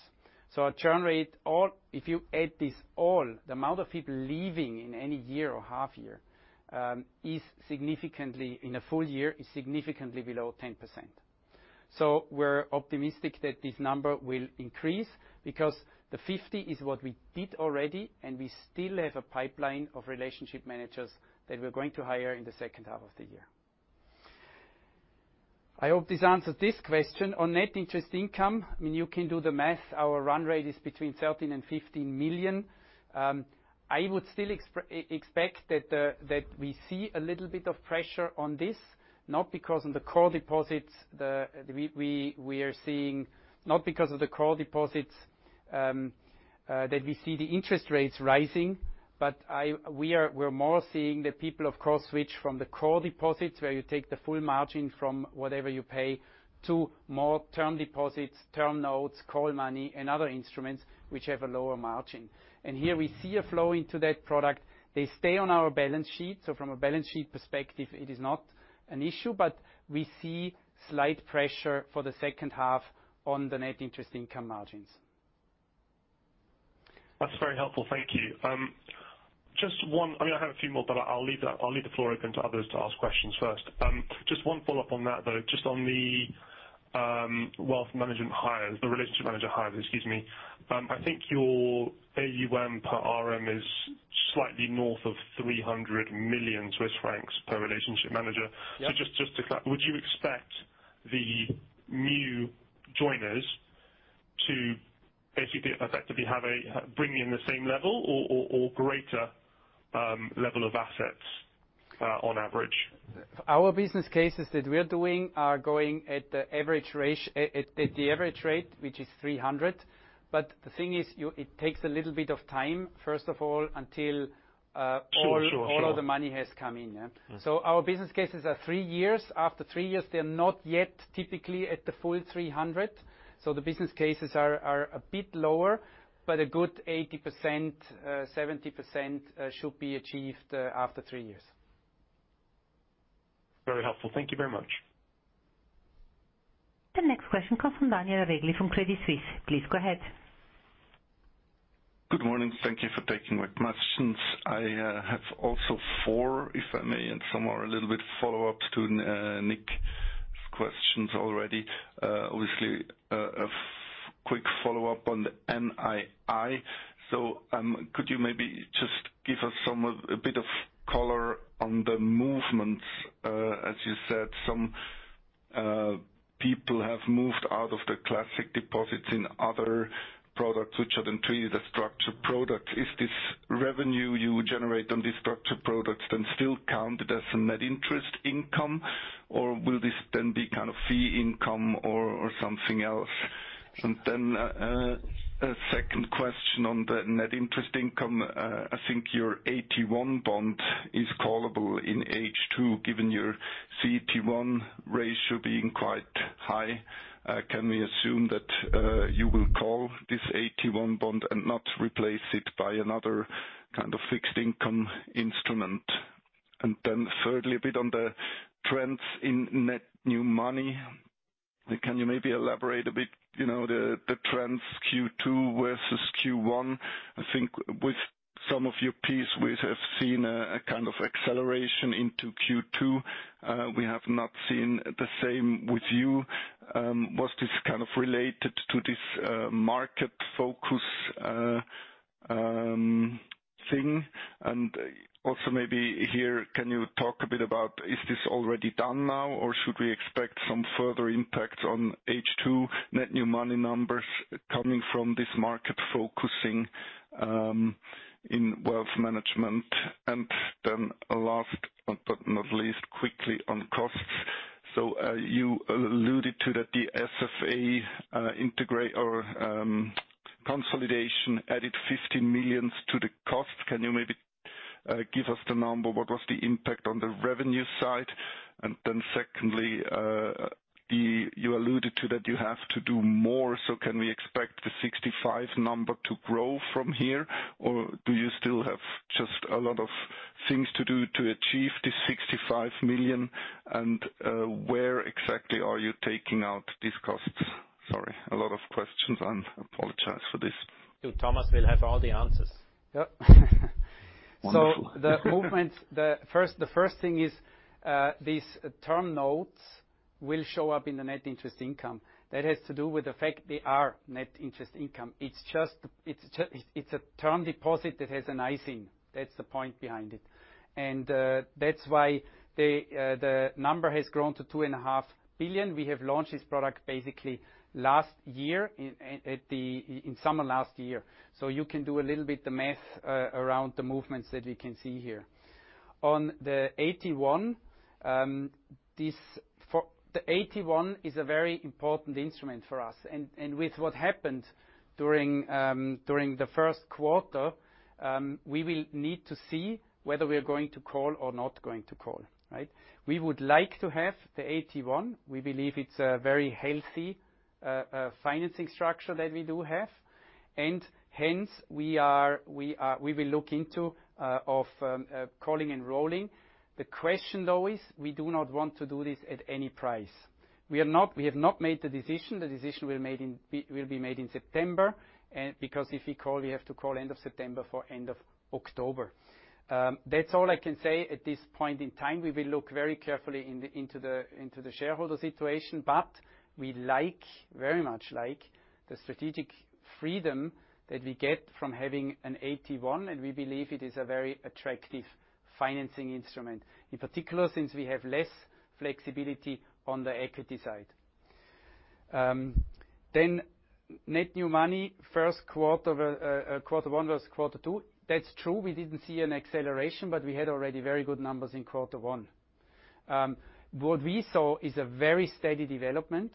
Our churn rate, or if you add this all, the amount of people leaving in any year or half year, is significantly, in a full year, is significantly below 10%. We're optimistic that this number will increase because the 50 is what we did already, and we still have a pipeline of relationship managers that we're going to hire in the second half of the year. I hope this answers this question. On net interest income, I mean, you can do the math. Our run rate is between 13 million and 15 million. I would still expect that we see a little bit of pressure on this, not because in the core deposits, We are seeing, not because of the core deposits, that we see the interest rates rising, but we are more seeing that people, of course, switch from the core deposits, where you take the full margin from whatever you pay, to more term deposits, Term Notes, call money, and other instruments which have a lower margin. Here we see a flow into that product. They stay on our balance sheet, so from a balance sheet perspective, it is not an issue, but we see slight pressure for the second half on the net interest income margins. That's very helpful. Thank you. Just one, I mean, I have a few more, but I'll leave the, I'll leave the floor open to others to ask questions first. Just one follow-up on that, though. Wealth Management hires, the relationship manager hires, excuse me. I think your AUM per RM is slightly north of 300 million Swiss francs per relationship manager. Yeah. Just would you expect the new joiners to basically effectively have a, bring in the same level or greater, level of assets, on average? Our business cases that we are doing are going at the average ratio, at the average rate, which is 300 million. The thing is, it takes a little bit of time, first of all, until. Sure, sure. All of the money has come in, yeah? Mm-hmm. Our business cases are three years. After three years, they are not yet typically at the full 300 million, so the business cases are a bit lower, but a good 80%, 70% should be achieved after three years. Very helpful. Thank you very much. The next question comes from Daniel Regli, from Credit Suisse. Please go ahead. Good morning. Thank you for taking my questions. I have also four, if I may, and some are a little bit follow-ups to Nick's questions already. Obviously, a quick follow-up on the NII. Could you maybe just give us a bit of color on the movements? As you said, some people have moved out of the classic deposits in other products, which are then treated as structured products. Is this revenue you generate on these structured products then still counted as a net interest income, or will this then be kind of fee income or something else? A second question on the net interest income. I think your AT1 bond is callable in H2, given your CET1 ratio being quite high. Can we assume that you will call this AT1 bond and not replace it by another kind of fixed income instrument? A bit on the trends in net new money. Can you maybe elaborate a bit, you know, the trends Q2 vs Q1? I think with some of your peers, we have seen a kind of acceleration into Q2. We have not seen the same with you. Was this kind of related to this market focus thing? Maybe here, can you talk a bit about, is this already done now, or should we expect some further impact on H2 net new money numbers coming from this market focusing in Wealth Management? Last but not least, quickly on costs. You alluded to that the SFA integrate or consolidation added 15 million to the cost. Can you maybe give us the number? What was the impact on the revenue side? Secondly, you alluded to that you have to do more, can we expect the 65 million number to grow from here, or do you still have just a lot of things to do to achieve this 65 million, where exactly are you taking out these costs? Sorry, a lot of questions, I apologize for this. Thomas will have all the answers. Yep. Wonderful. The movements, the first thing is, these Term Notes will show up in the net interest income. That has to do with the fact they are net interest income. It's a term deposit that has an ISIN. That's the point behind it. That's why the number has grown to 2.5 billion. We have launched this product basically last year, in summer last year. You can do a little bit the math around the movements that you can see here. On the AT1, the AT1 is a very important instrument for us, and with what happened during the first quarter, we will need to see whether we are going to call or not going to call, right? We would like to have the AT1. We believe it's a very healthy financing structure that we do have. We will look into calling and rolling. The question, though, is, we do not want to do this at any price. We have not made the decision. The decision will be made in September. If we call, we have to call end of September for end of October. That's all I can say at this point in time. We will look very carefully into the shareholder situation. We very much like the strategic freedom that we get from having an AT1. We believe it is a very attractive financing instrument, in particular, since we have less flexibility on the equity side. Net new money, first quarter one vs quarter two. That's true, we didn't see an acceleration, but we had already very good numbers in quarter one. What we saw is a very steady development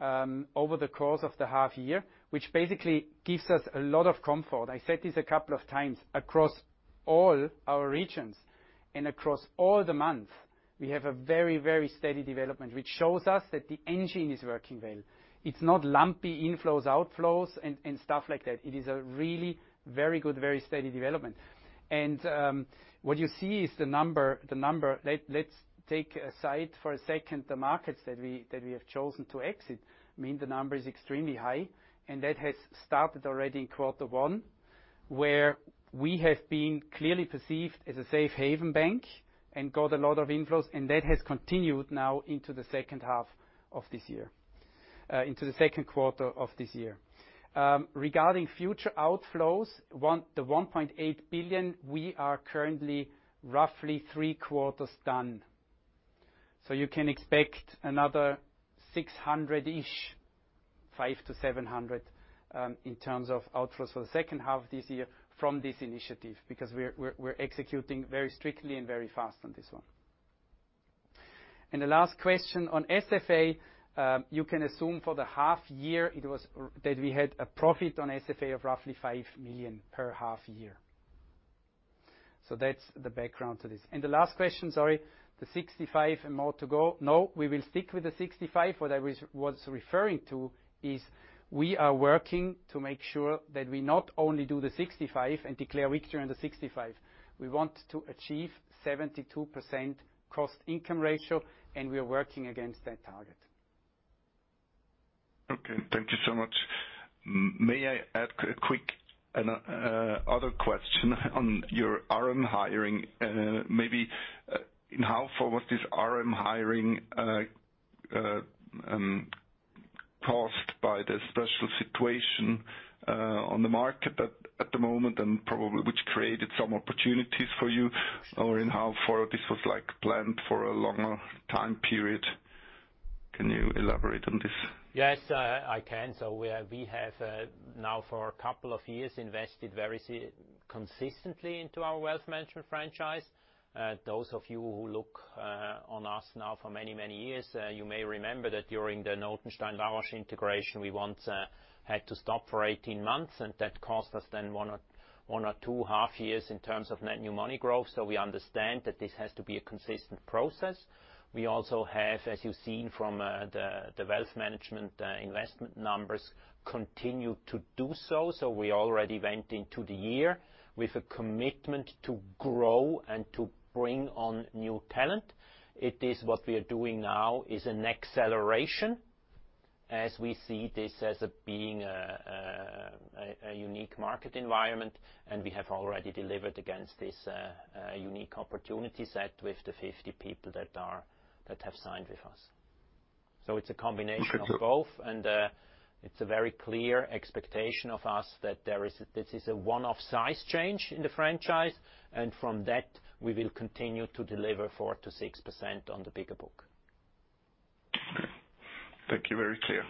over the course of the half year, which basically gives us a lot of comfort. I said this a couple of times, across all our regions and across all the months, we have a very, very steady development, which shows us that the engine is working well. It's not lumpy inflows, outflows, and stuff like that. It is a really very good, very steady development. What you see is the number. Let's take aside for a second the markets that we have chosen to exit, mean the number is extremely high, and that has started already in quarter one.... where we have been clearly perceived as a safe haven bank and got a lot of inflows. That has continued now into the second half of this year, into the second quarter of this year. Regarding future outflows, the 1.8 billion, we are currently roughly three quarters done. You can expect another 600 million-ish, 500 million-700 million, in terms of outflows for the second half of this year from this initiative, because we're executing very strictly and very fast on this one. The last question on SFA, you can assume for the half year, it was that we had a profit on SFA of roughly 5 million per half year. That's the background to this. The last question, sorry, the 65 million and more to go. No, we will stick with the 65 million. What I was referring to is we are working to make sure that we not only do the 65 million and declare victory on the 65 million, we want to achieve 72% cost-income ratio, and we are working against that target. Okay, thank you so much. May I add a quick and other question on your RM hiring? Maybe in how far was this RM hiring caused by the special situation on the market at the moment, and probably which created some opportunities for you? In how far this was, like, planned for a longer time period. Can you elaborate on this? Yes, I can. We have now for a couple of years, invested very consistently into our Wealth Management franchise. Those of you who look on us now for many, many years, you may remember that during the Notenstein La Roche integration, we once had to stop for 18 months, and that cost us then one or two half years in terms of net new money growth. We understand that this has to be a consistent process. We also have, as you've seen from the Wealth Management investment numbers, continued to do so. We already went into the year with a commitment to grow and to bring on new talent. It is what we are doing now is an acceleration, as we see this as, being a unique market environment. We have already delivered against this, unique opportunity set with the 50 people that have signed with us. It's a combination of both. Okay. It's a very clear expectation of us that this is a one-off size change in the franchise, and from that, we will continue to deliver 4%-6% on the bigger book. Thank you. Very clear.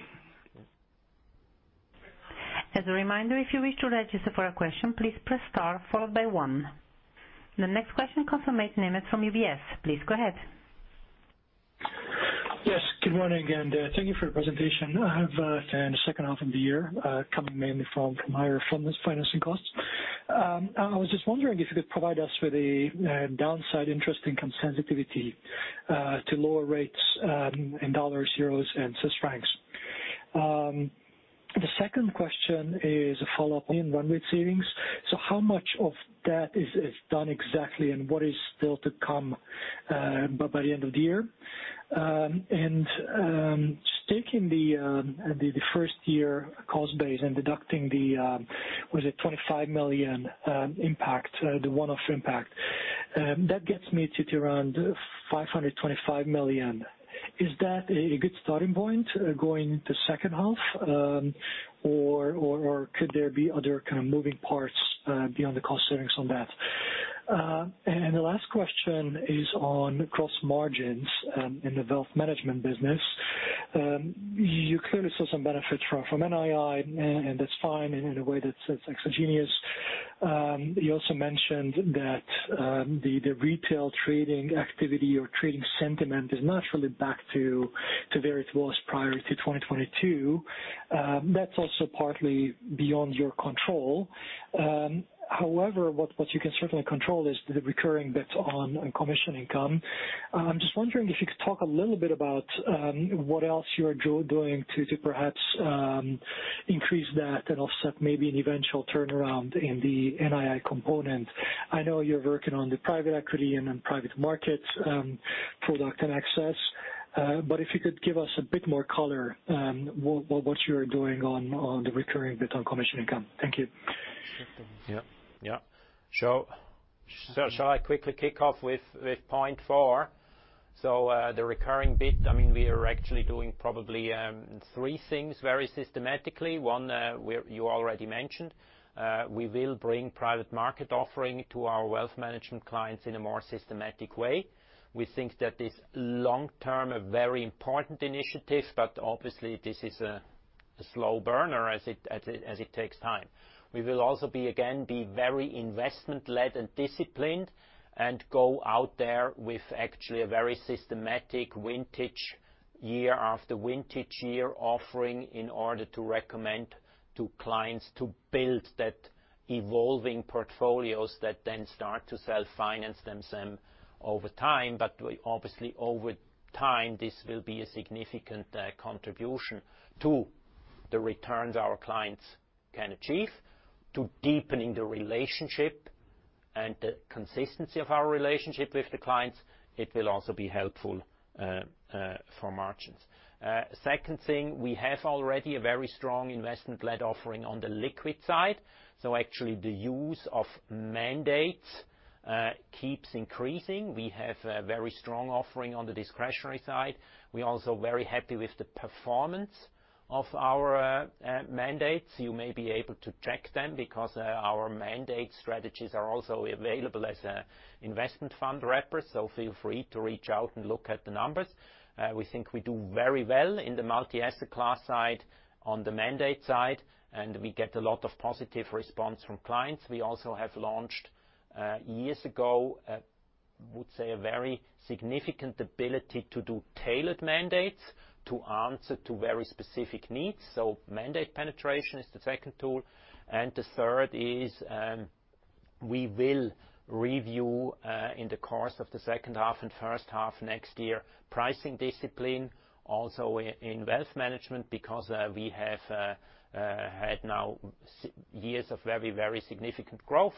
As a reminder, if you wish to register for a question, please press star followed by one. The next question comes from Mate Nemes, from UBS. Please go ahead. Yes, good morning, thank you for your presentation. I have in the second half of the year coming mainly from higher fund financing costs. I was just wondering if you could provide us with a downside interest income sensitivity to lower rates in dollar, euro, and Swiss francs The second question is a follow-up on run rate savings. How much of that is done exactly, and what is still to come by the end of the year? Taking the first year cost base and deducting the was it 25 million impact, the one-off impact, that gets me to around 525 million. Is that a good starting point, going into second half, or could there be other kind of moving parts beyond the cost savings on that? The last question is on cross margins in the Wealth Management business. You clearly saw some benefits from NII, and that's fine, and in a way, that's exogenous. You also mentioned that the retail trading activity or trading sentiment is not really back to where it was prior to 2022. That's also partly beyond your control. However, what you can certainly control is the recurring bits on commission income. I'm just wondering if you could talk a little bit about what else you are doing to perhaps increase that and offset maybe an eventual turnaround in the NII component. I know you're working on the private equity and then private markets, product and access, but if you could give us a bit more color on what you're doing on the recurring bit on commission income. Thank you. Yeah. Yeah. Shall I quickly kick off with point four? The recurring bit, I mean, we are actually doing probably three things very systematically. One, you already mentioned. We will bring private market offering to our Wealth Management clients in a more systematic way. We think that this long term, a very important initiative, but obviously, this is a slow burner as it takes time. We will also be again very investment-led and disciplined, and go out there with actually a very systematic vintage year after vintage year offering, in order to recommend to clients to build that evolving portfolios that then start to self-finance themself over time. We obviously over time, this will be a significant contribution to the returns our clients can achieve, to deepening the relationship. The consistency of our relationship with the clients, it will also be helpful for margins. Second thing, we have already a very strong investment-led offering on the liquid side. Actually the use of mandates keeps increasing. We have a very strong offering on the discretionary side. We're also very happy with the performance of our mandates. You may be able to check them, because our mandate strategies are also available as a investment fund wrapper. Feel free to reach out and look at the numbers. We think we do very well in the multi-asset class side, on the mandate side, and we get a lot of positive response from clients. We also have launched years ago, I would say, a very significant ability to do tailored mandates to answer to very specific needs. Mandate penetration is the second tool. The third is, we will review in the course of the second half and first half next year, pricing discipline also in Wealth Management. We have had now years of very, very significant growth.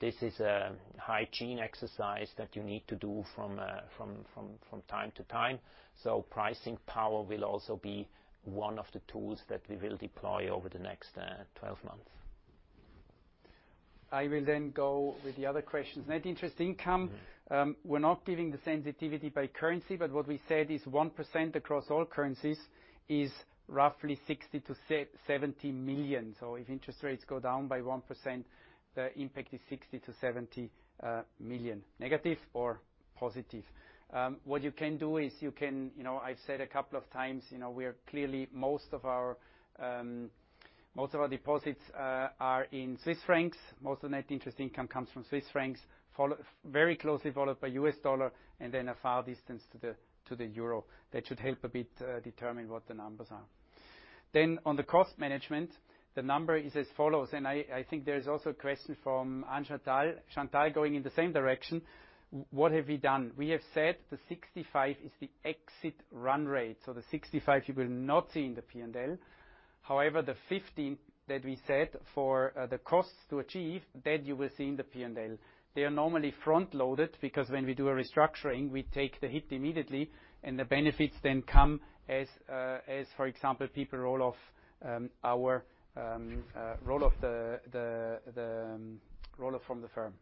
This is a hygiene exercise that you need to do from time to time. Pricing power will also be one of the tools that we will deploy over the next 12 months. I will then go with the other questions. Net interest income, we're not giving the sensitivity by currency, but what we said is 1% across all currencies is roughly 60 million-70 million. If interest rates go down by 1%, the impact is 60 million-70 million, negative or positive. What you can do is you know, I've said a couple of times, you know, we are clearly, most of our, most of our deposits are in Swiss francs. Most of the net interest income comes from Swiss francs, very closely followed by U.S. dollar, and then a far distance to the euro. That should help a bit determine what the numbers are. On the cost management, the number is as follows, I think there is also a question from Anne-Chantal Picaud, Chantal, going in the same direction. What have we done? We have said the 65 million is the exit run rate, the 65 million you will not see in the P&L. However, the 15 million that we said for the costs to achieve, that you will see in the P&L. They are normally front-loaded, because when we do a restructuring, we take the hit immediately, and the benefits then come as, for example, people roll off from the firm.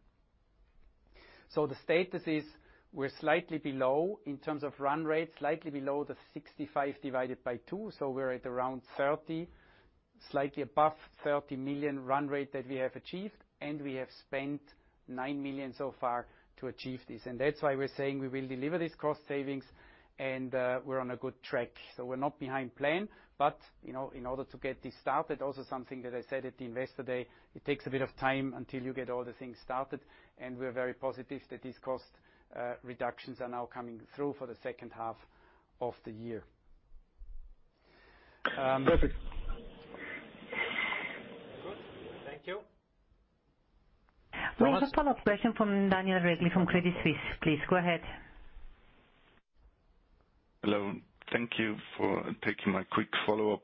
The status is we're slightly below in terms of run rate, slightly below the 65/2, we're at around 30 million, slightly above 30 million run rate that we have achieved, and we have spent 9 million so far to achieve this. That's why we're saying we will deliver these cost savings, and we're on a good track. We're not behind plan, but, you know, in order to get this started, also something that I said at the Investor Day, it takes a bit of time until you get all the things started, and we're very positive that these cost reductions are now coming through for the second half of the year. Perfect. Good. Thank you. We have a follow-up question from Daniel Regli from Credit Suisse. Please, go ahead. Hello, thank you for taking my quick follow-up.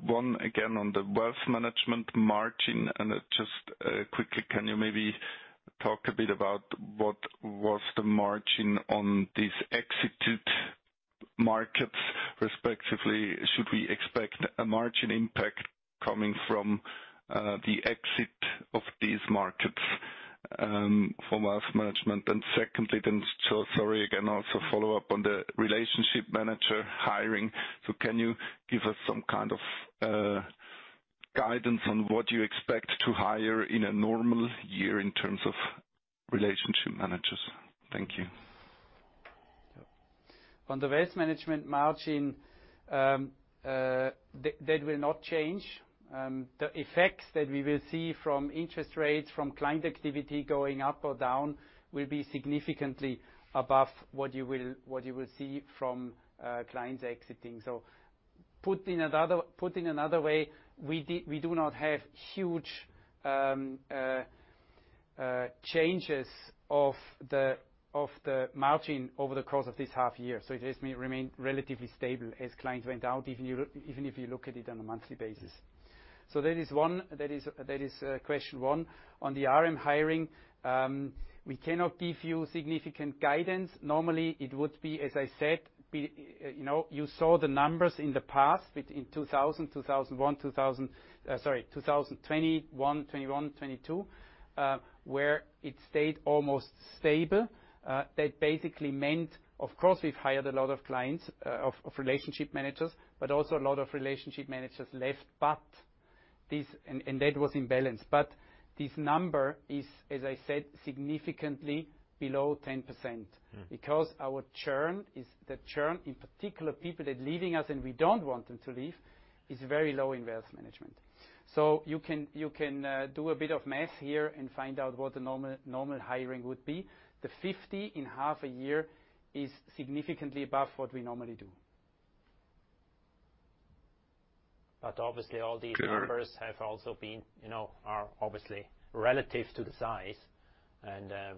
One, again, on the Wealth Management margin, and just quickly, can you maybe talk a bit about what was the margin on these exited markets? Respectively, should we expect a margin impact coming from the exit of these markets for Wealth Management? Secondly, sorry again, also follow up on the relationship manager hiring. Can you give us some kind of guidance on what you expect to hire in a normal year in terms of relationship managers? Thank you. On the waste management margin, that will not change. The effects that we will see from interest rates, from client activity going up or down, will be significantly above what you will see from clients exiting. Put in another, put in another way, we do not have huge changes of the margin over the course of this half year. It has remained relatively stable as clients went out, even if you look at it on a monthly basis. That is one, that is question one. On the RM hiring, we cannot give you significant guidance. Normally, it would be, as I said, be, you know, you saw the numbers in the past, between 2000, 2001, 2000... Sorry, 2020, 2021, 2022, where it stayed almost stable. That basically meant, of course, we've hired a lot of clients, of relationship managers, but also a lot of relationship managers left, and that was in balance. This number is, as I said, significantly below 10%. Mm-hmm. Our churn is the churn, in particular, people that leaving us and we don't want them to leave, is very low in Wealth Management. You can do a bit of math here and find out what the normal hiring would be. The 50 in half a year is significantly above what we normally do. obviously, all these. Clear. numbers have also been, you know, are obviously relative to the size.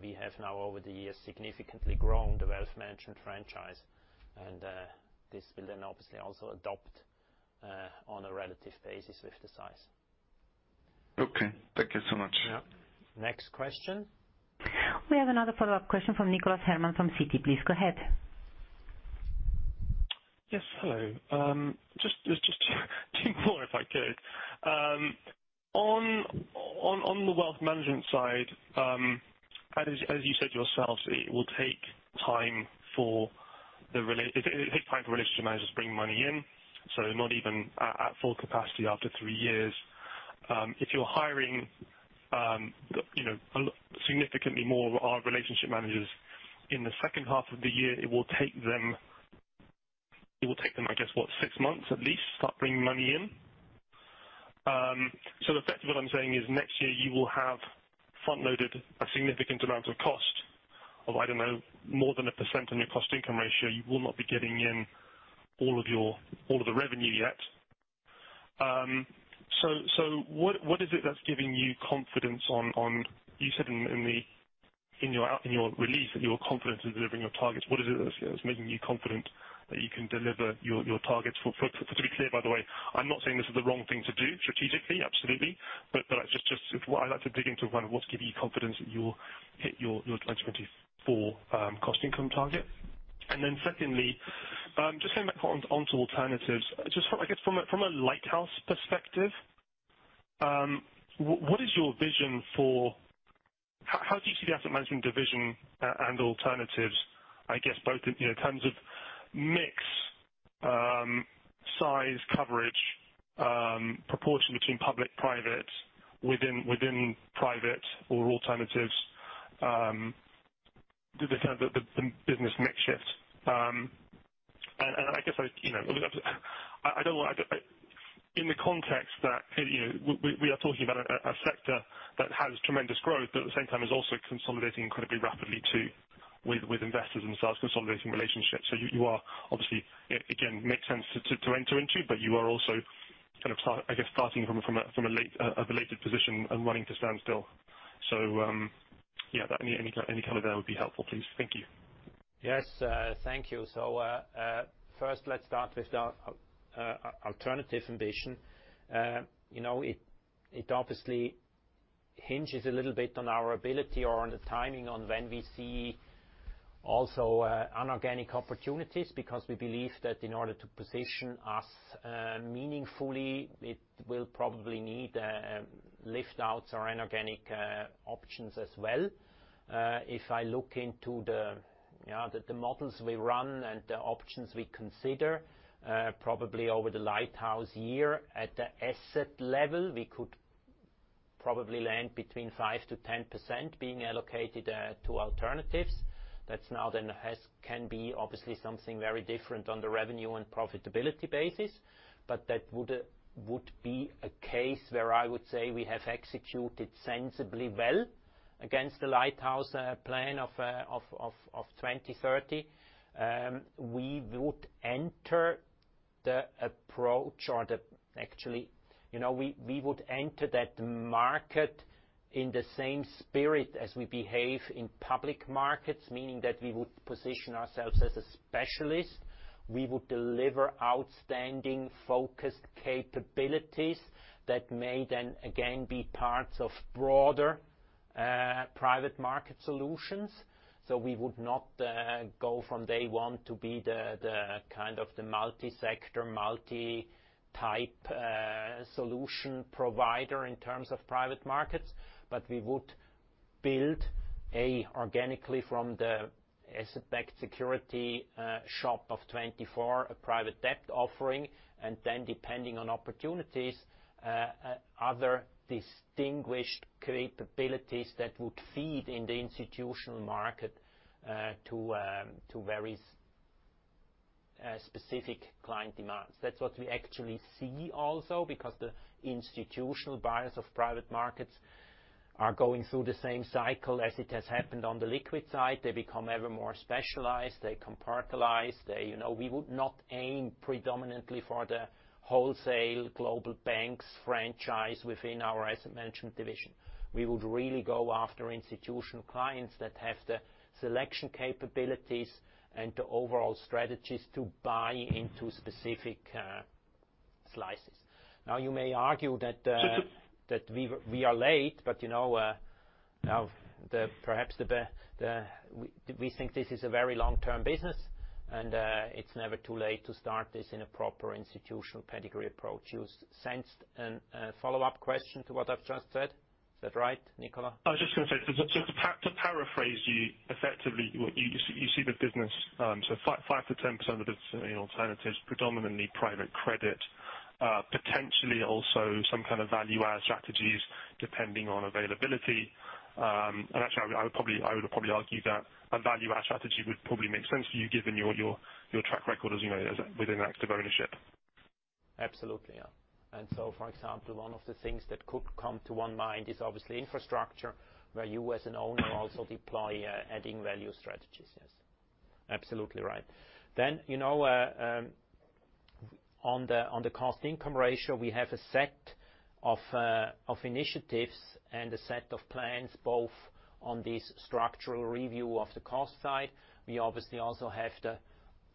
We have now, over the years, significantly grown the Wealth Management franchise, and this will then obviously also on a relative basis with the size. Okay, thank you so much. Yeah. Next question. We have another follow-up question from Nicholas Herman from Citi. Please go ahead. Yes, hello. Just two more, if I could. On the Wealth Management side, as you said yourselves, it will take time for it takes time for relationship managers to bring money in, so not even at full capacity after three years. If you're hiring, you know, significantly more of our relationship managers in the second half of the year, it will take them, I guess, what, six months at least, to start bringing money in? Effectively what I'm saying is, next year you will have front-loaded a significant amount of cost of, I don't know, more than 1% on your cost-income ratio. You will not be getting in all of the revenue yet. So what is it that's giving you confidence on... You said in your release, that you were confident in delivering your targets. What is it that's making you confident that you can deliver your targets? To be clear, by the way, I'm not saying this is the wrong thing to do. Strategically, absolutely. Just what I'd like to dig into kind of what's giving you confidence that you'll hit your 2024 cost-income target. Secondly, just coming back on to alternatives. Just from, I guess, from a Lighthouse perspective, How do you see the Asset Management division and alternatives, I guess, both in, you know, terms of mix, size, coverage, proportion between public-private, within private or alternatives, the business mix shift? I guess, I, you know, I don't want... In the context that, you know, we are talking about a sector that has tremendous growth, but at the same time is also consolidating incredibly rapidly, too, with investors and starts consolidating relationships. You, you are obviously, it again, makes sense to enter into, but you are also kind of I guess, starting from a, from a late, a belated position and running to standstill. Yeah, any color there would be helpful, please. Thank you. Yes, thank you. First, let's start with the alternative ambition. You know, it obviously hinges a little bit on our ability or on the timing on when we see also inorganic opportunities, because we believe that in order to position us meaningfully, it will probably need lift outs or inorganic options as well. If I look into the models we run and the options we consider, probably over the Lighthouse year at the asset level, we could probably land between 5%-10% being allocated to alternatives. That's now then can be obviously something very different on the revenue and profitability basis, but that would be a case where I would say we have executed sensibly well against the Lighthouse plan of 2030. Actually, you know, we would enter that market in the same spirit as we behave in public markets, meaning that we would position ourselves as a specialist. We would deliver outstanding, focused capabilities that may then again, be parts of broader private market solutions. We would not go from day one to be the kind of the multi-sector, multi-type solution provider in terms of private markets, but we would build organically from the asset-backed security shop of TwentyFour, a private debt offering. Depending on opportunities, other distinguished capabilities that would feed in the institutional market to various specific client demands. That's what we actually see also, because the institutional buyers of private markets are going through the same cycle as it has happened on the liquid side. They become ever more specialized, they compartmentalize, they, you know. We would not aim predominantly for the wholesale global banks franchise within our Asset Management division. We would really go after Institutional Clients that have the selection capabilities and the overall strategies to buy into specific slices. You may argue that we are late, but, you know, we think this is a very long-term business, and it's never too late to start this in a proper institutional pedigree approach. You sensed a follow-up question to what I've just said. Is that right, Nicholas? I was just going to say, just to paraphrase you effectively, you see the business, so 5%-10% of it in alternatives, predominantly private credit, potentially also some kind of value add strategies, depending on availability. Actually, I would probably argue that a value add strategy would probably make sense for you, given your track record, you know, as within active ownership. Absolutely. For example, one of the things that could come to one mind is obviously infrastructure, where you, as an owner, also deploy adding value strategies. Yes, absolutely right. You know, on the cost-income ratio, we have a set of initiatives and a set of plans, both on this structural review of the cost side. We obviously also have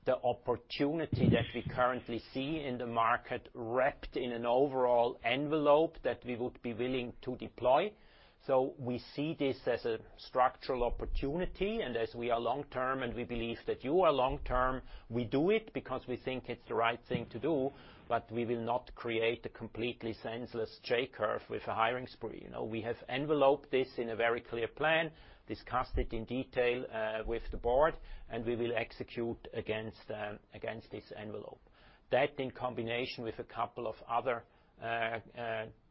the opportunity that we currently see in the market, wrapped in an overall envelope that we would be willing to deploy. We see this as a structural opportunity, we are long-term, we believe that you are long-term, we do it because we think it's the right thing to do, we will not create a completely senseless J-curve with a hiring spree. You know, we have enveloped this in a very clear plan, discussed it in detail, with the board, and we will execute against this envelope. That, in combination with a couple of other,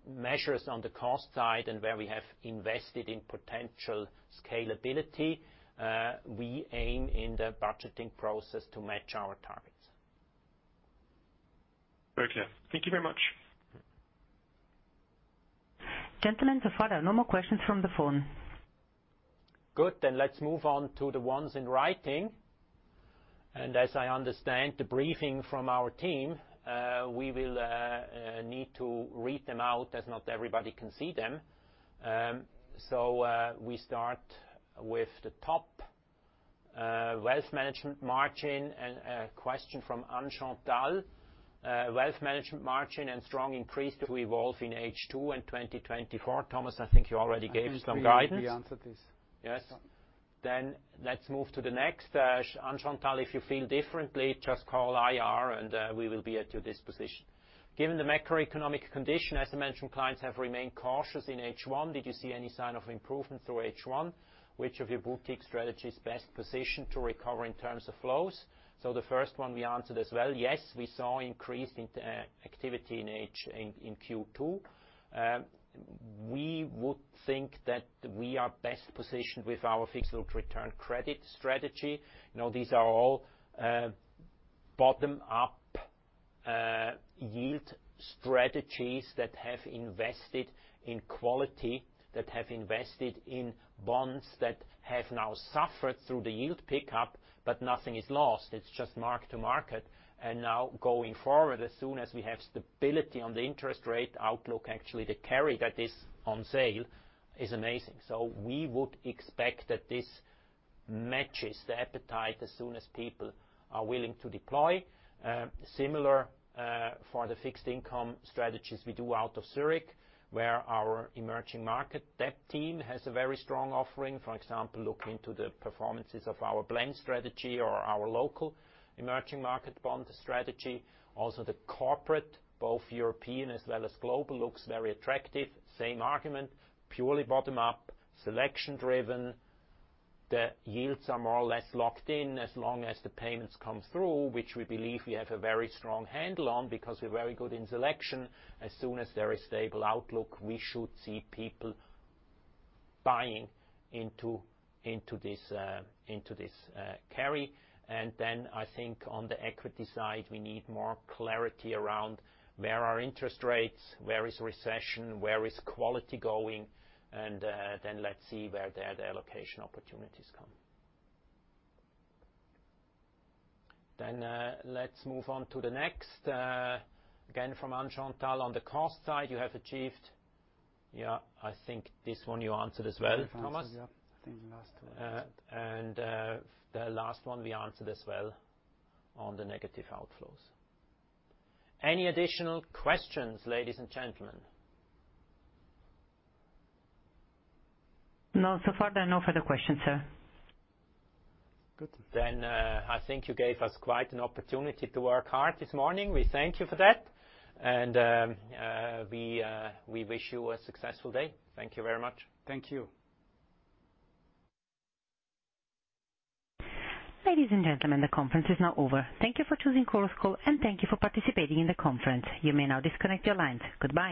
measures on the cost side and where we have invested in potential scalability, we aim in the budgeting process to match our targets. Very clear. Thank you very much. Gentlemen, so far, there are no more questions from the phone. Good, let's move on to the ones in writing. As I understand the briefing from our team, we will need to read them out, as not everybody can see them. We start with the top, Wealth Management margin, and a question from Anne-Chantal. Wealth Management margin and strong increase to evolve in H2 and 2024. Thomas, I think you already gave some guidance. We answered this. Let's move to the next. Anne-Chantal Picaud, if you feel differently, just call IR and we will be at your disposition. Given the macroeconomic condition, as I mentioned, clients have remained cautious in H1. Did you see any sign of improvement through H1? Which of your boutique strategies best positioned to recover in terms of flows? The first one we answered as well. We saw increased activity in Q2. We would think that we are best positioned with our fixed look return credit strategy. You know, these are all bottom-up yield strategies that have invested in quality, that have invested in bonds, that have now suffered through the yield pickup, but nothing is lost. It's just mark to market. Now, going forward, as soon as we have stability on the interest rate outlook, actually, the carry that is on sale is amazing. We would expect that this matches the appetite as soon as people are willing to deploy. Similar, for the fixed income strategies we do out of Zürich, where our emerging market debt team has a very strong offering. For example, look into the performances of our blend strategy or our local emerging market bond strategy. Also the corporate, both European as well as global, looks very attractive. Same argument, purely bottom-up, selection driven. The yields are more or less locked in as long as the payments come through, which we believe we have a very strong handle on, because we're very good in selection. As soon as there is stable outlook, we should see people buying into this carry. I think on the equity side, we need more clarity around where are interest rates, where is recession, where is quality going, and then let's see where the allocation opportunities come. Let's move on to the next. Again, from Anne-Chantal Picaud, on the cost side, you have achieved... Yeah, I think this one you answered as well, Thomas? Yep, I think the last two I answered. The last one we answered as well, on the negative outflows. Any additional questions, ladies and gentlemen? No, so far, there are no further questions, sir. Good. I think you gave us quite an opportunity to work hard this morning. We thank you for that, and we wish you a successful day. Thank you very much. Thank you. Ladies and gentlemen, the conference is now over. Thank you for choosing Chorus Call, and thank you for participating in the conference. You may now disconnect your lines. Goodbye.